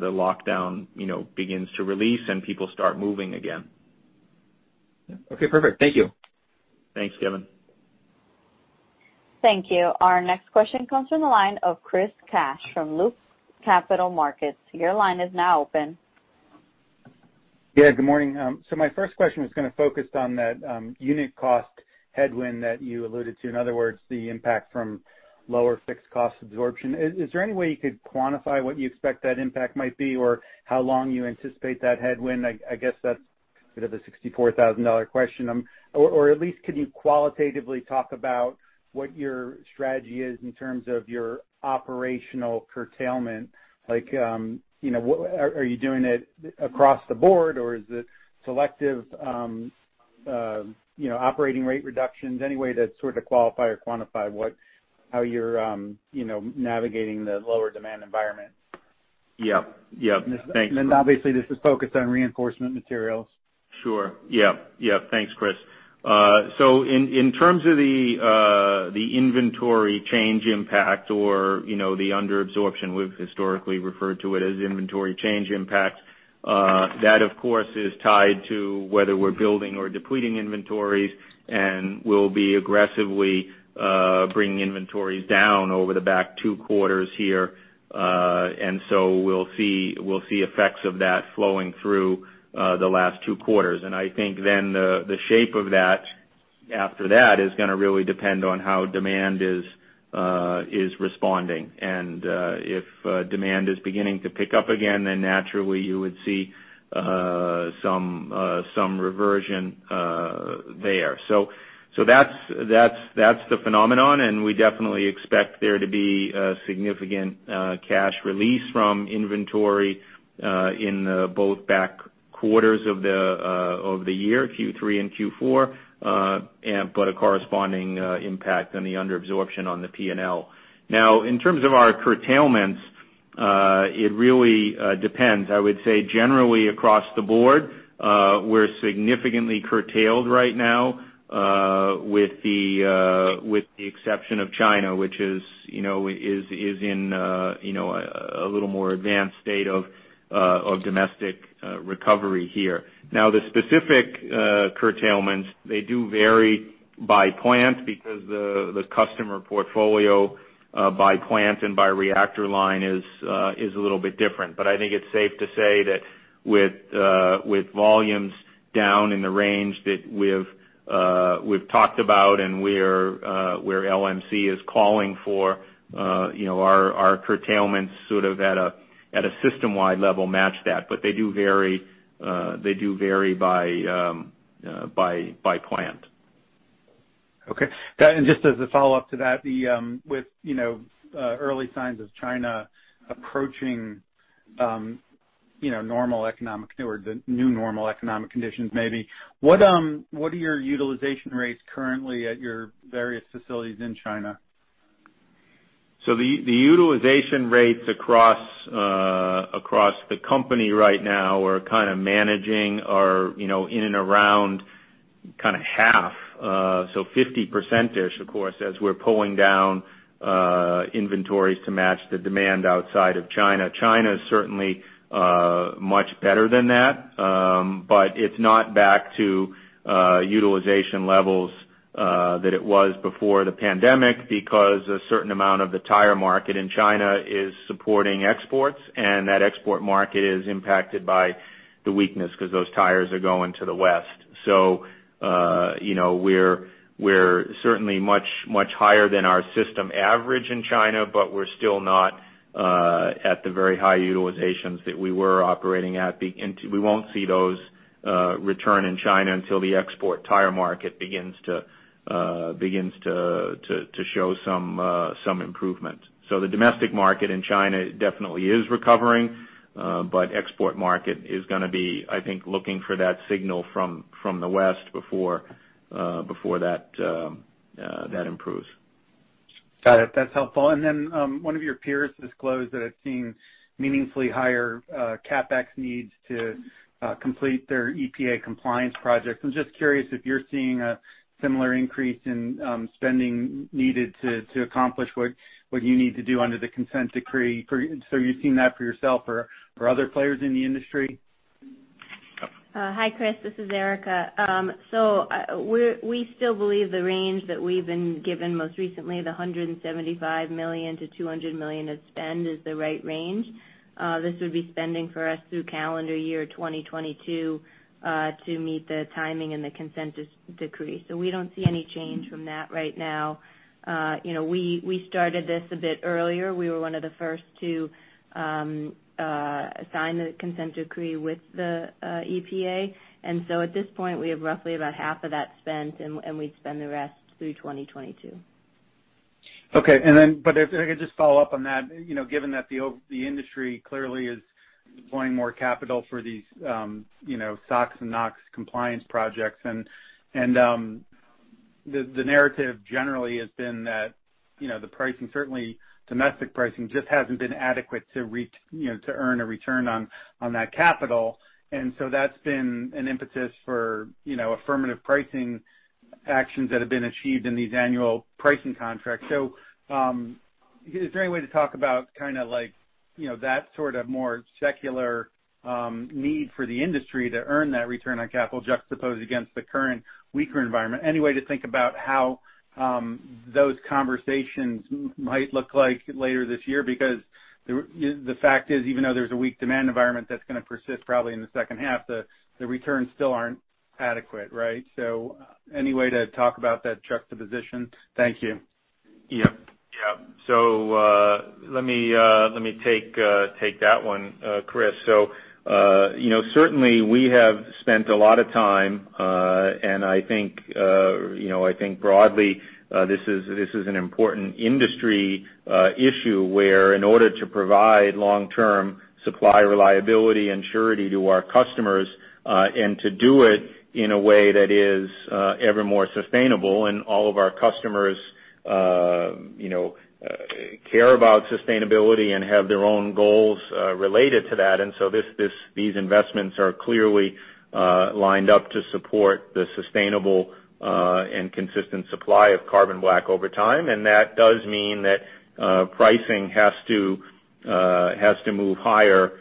lockdown begins to release and people start moving again. Okay, perfect. Thank you. Thanks, Kevin. Thank you. Our next question comes from the line of Chris Kapsch from Loop Capital Markets. Your line is now open. Good morning. My first question was going to focus on that unit cost headwind that you alluded to. In other words, the impact from lower fixed cost absorption. Is there any way you could quantify what you expect that impact might be or how long you anticipate that headwind? I guess that's a bit of a $64,000 question. At least could you qualitatively talk about what your strategy is in terms of your operational curtailment? Are you doing it across the board, or is it selective operating rate reductions? Any way to sort of qualify or quantify how you're navigating the lower demand environment? Yeah. Thanks. Obviously, this is focused on reinforcement materials. Sure. Yeah. Thanks, Chris. In terms of the inventory change impact or the under absorption, we've historically referred to it as inventory change impact. That, of course, is tied to whether we're building or depleting inventories, and we'll be aggressively bringing inventories down over the back two quarters here. We'll see effects of that flowing through the last two quarters. I think then the shape of that after that is going to really depend on how demand is responding. If demand is beginning to pick up again, then naturally you would see some reversion there. That's the phenomenon, and we definitely expect there to be a significant cash release from inventory in both back quarters of the year, Q3 and Q4, but a corresponding impact on the under absorption on the P&L. Now, in terms of our curtailments, it really depends. I would say generally across the board, we're significantly curtailed right now with the exception of China, which is in a little more advanced state of domestic recovery here. Now, the specific curtailments, they do vary by plant because the customer portfolio by plant and by reactor line is a little bit different. I think it's safe to say that with volumes down in the range that we've talked about and where LMC is calling for our curtailments sort of at a system-wide level match that. They do vary by plant. Okay. Just as a follow-up to that, with early signs of China approaching the new normal economic conditions maybe, what are your utilization rates currently at your various facilities in China? The utilization rates across the company right now are managing or in and around half, so 50%-ish, of course, as we're pulling down inventories to match the demand outside of China. China is certainly much better than that. It's not back to utilization levels that it was before the pandemic because a certain amount of the tire market in China is supporting exports, and that export market is impacted by the weakness because those tires are going to the West. We're certainly much higher than our system average in China, but we're still not at the very high utilizations that we were operating at. We won't see those return in China until the export tire market begins to show some improvement. The domestic market in China definitely is recovering, but export market is going to be, I think, looking for that signal from the West before that improves. Got it. That's helpful. One of your peers disclosed that it's seeing meaningfully higher CapEx needs to complete their EPA compliance projects. I'm just curious if you're seeing a similar increase in spending needed to accomplish what you need to do under the consent decree. You're seeing that for yourself or for other players in the industry? Hi, Chris, this is Erica. We still believe the range that we've been given most recently, the $175 million-$200 million of spend is the right range. This would be spending for us through calendar year 2022 to meet the timing and the consent decree. We don't see any change from that right now. We started this a bit earlier. We were one of the first to sign the consent decree with the EPA. At this point, we have roughly about half of that spent, and we'd spend the rest through 2022. Okay. If I could just follow up on that, given that the industry clearly is deploying more capital for these SOx and NOx compliance projects, the narrative generally has been that the pricing, certainly domestic pricing, just hasn't been adequate to earn a return on that capital. That's been an impetus for affirmative pricing actions that have been achieved in these annual pricing contracts. Is there any way to talk about kind of like that sort of more secular need for the industry to earn that return on capital juxtaposed against the current weaker environment? Any way to think about how those conversations might look like later this year? The fact is, even though there's a weak demand environment that's going to persist probably in the second half, the returns still aren't adequate, right? Any way to talk about that juxtaposition? Thank you. Let me take that one, Chris. Certainly we have spent a lot of time, and I think broadly this is an important industry issue where in order to provide long-term supply reliability and surety to our customers and to do it in a way that is ever more sustainable and all of our customers care about sustainability and have their own goals related to that. These investments are clearly lined up to support the sustainable and consistent supply of carbon black over time. That does mean that pricing has to move higher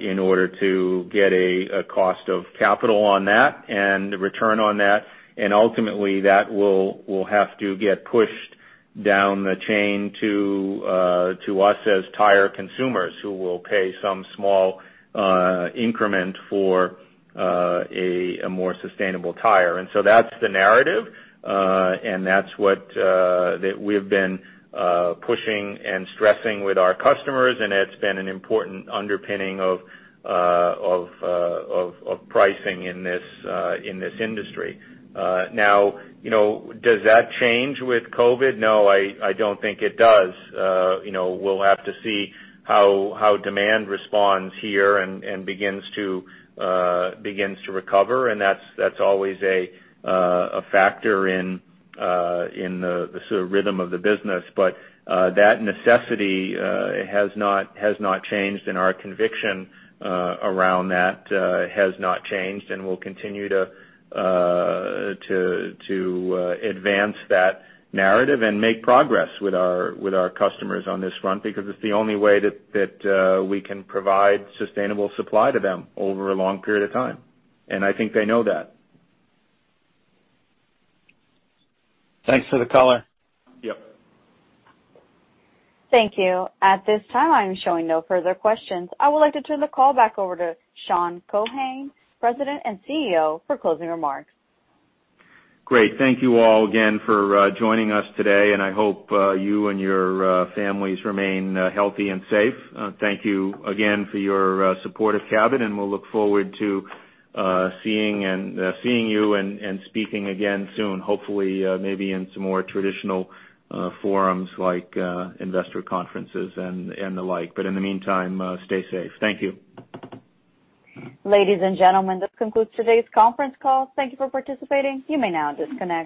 in order to get a cost of capital on that and return on that. Ultimately, that will have to get pushed down the chain to us as tire consumers who will pay some small increment for a more sustainable tire. That's the narrative, and that's what we've been pushing and stressing with our customers, and it's been an important underpinning of pricing in this industry. Does that change with COVID? No, I don't think it does. We'll have to see how demand responds here and begins to recover, and that's always a factor in the sort of rhythm of the business. That necessity has not changed, and our conviction around that has not changed. We'll continue to advance that narrative and make progress with our customers on this front because it's the only way that we can provide sustainable supply to them over a long period of time. I think they know that. Thanks for the color. Yep. Thank you. At this time, I'm showing no further questions. I would like to turn the call back over to Sean Keohane, President and CEO, for closing remarks. Great. Thank you all again for joining us today, and I hope you and your families remain healthy and safe. Thank you again for your support of Cabot, and we'll look forward to seeing you and speaking again soon, hopefully maybe in some more traditional forums like investor conferences and the like. In the meantime, stay safe. Thank you. Ladies and gentlemen, this concludes today's conference call. Thank you for participating. You may now disconnect.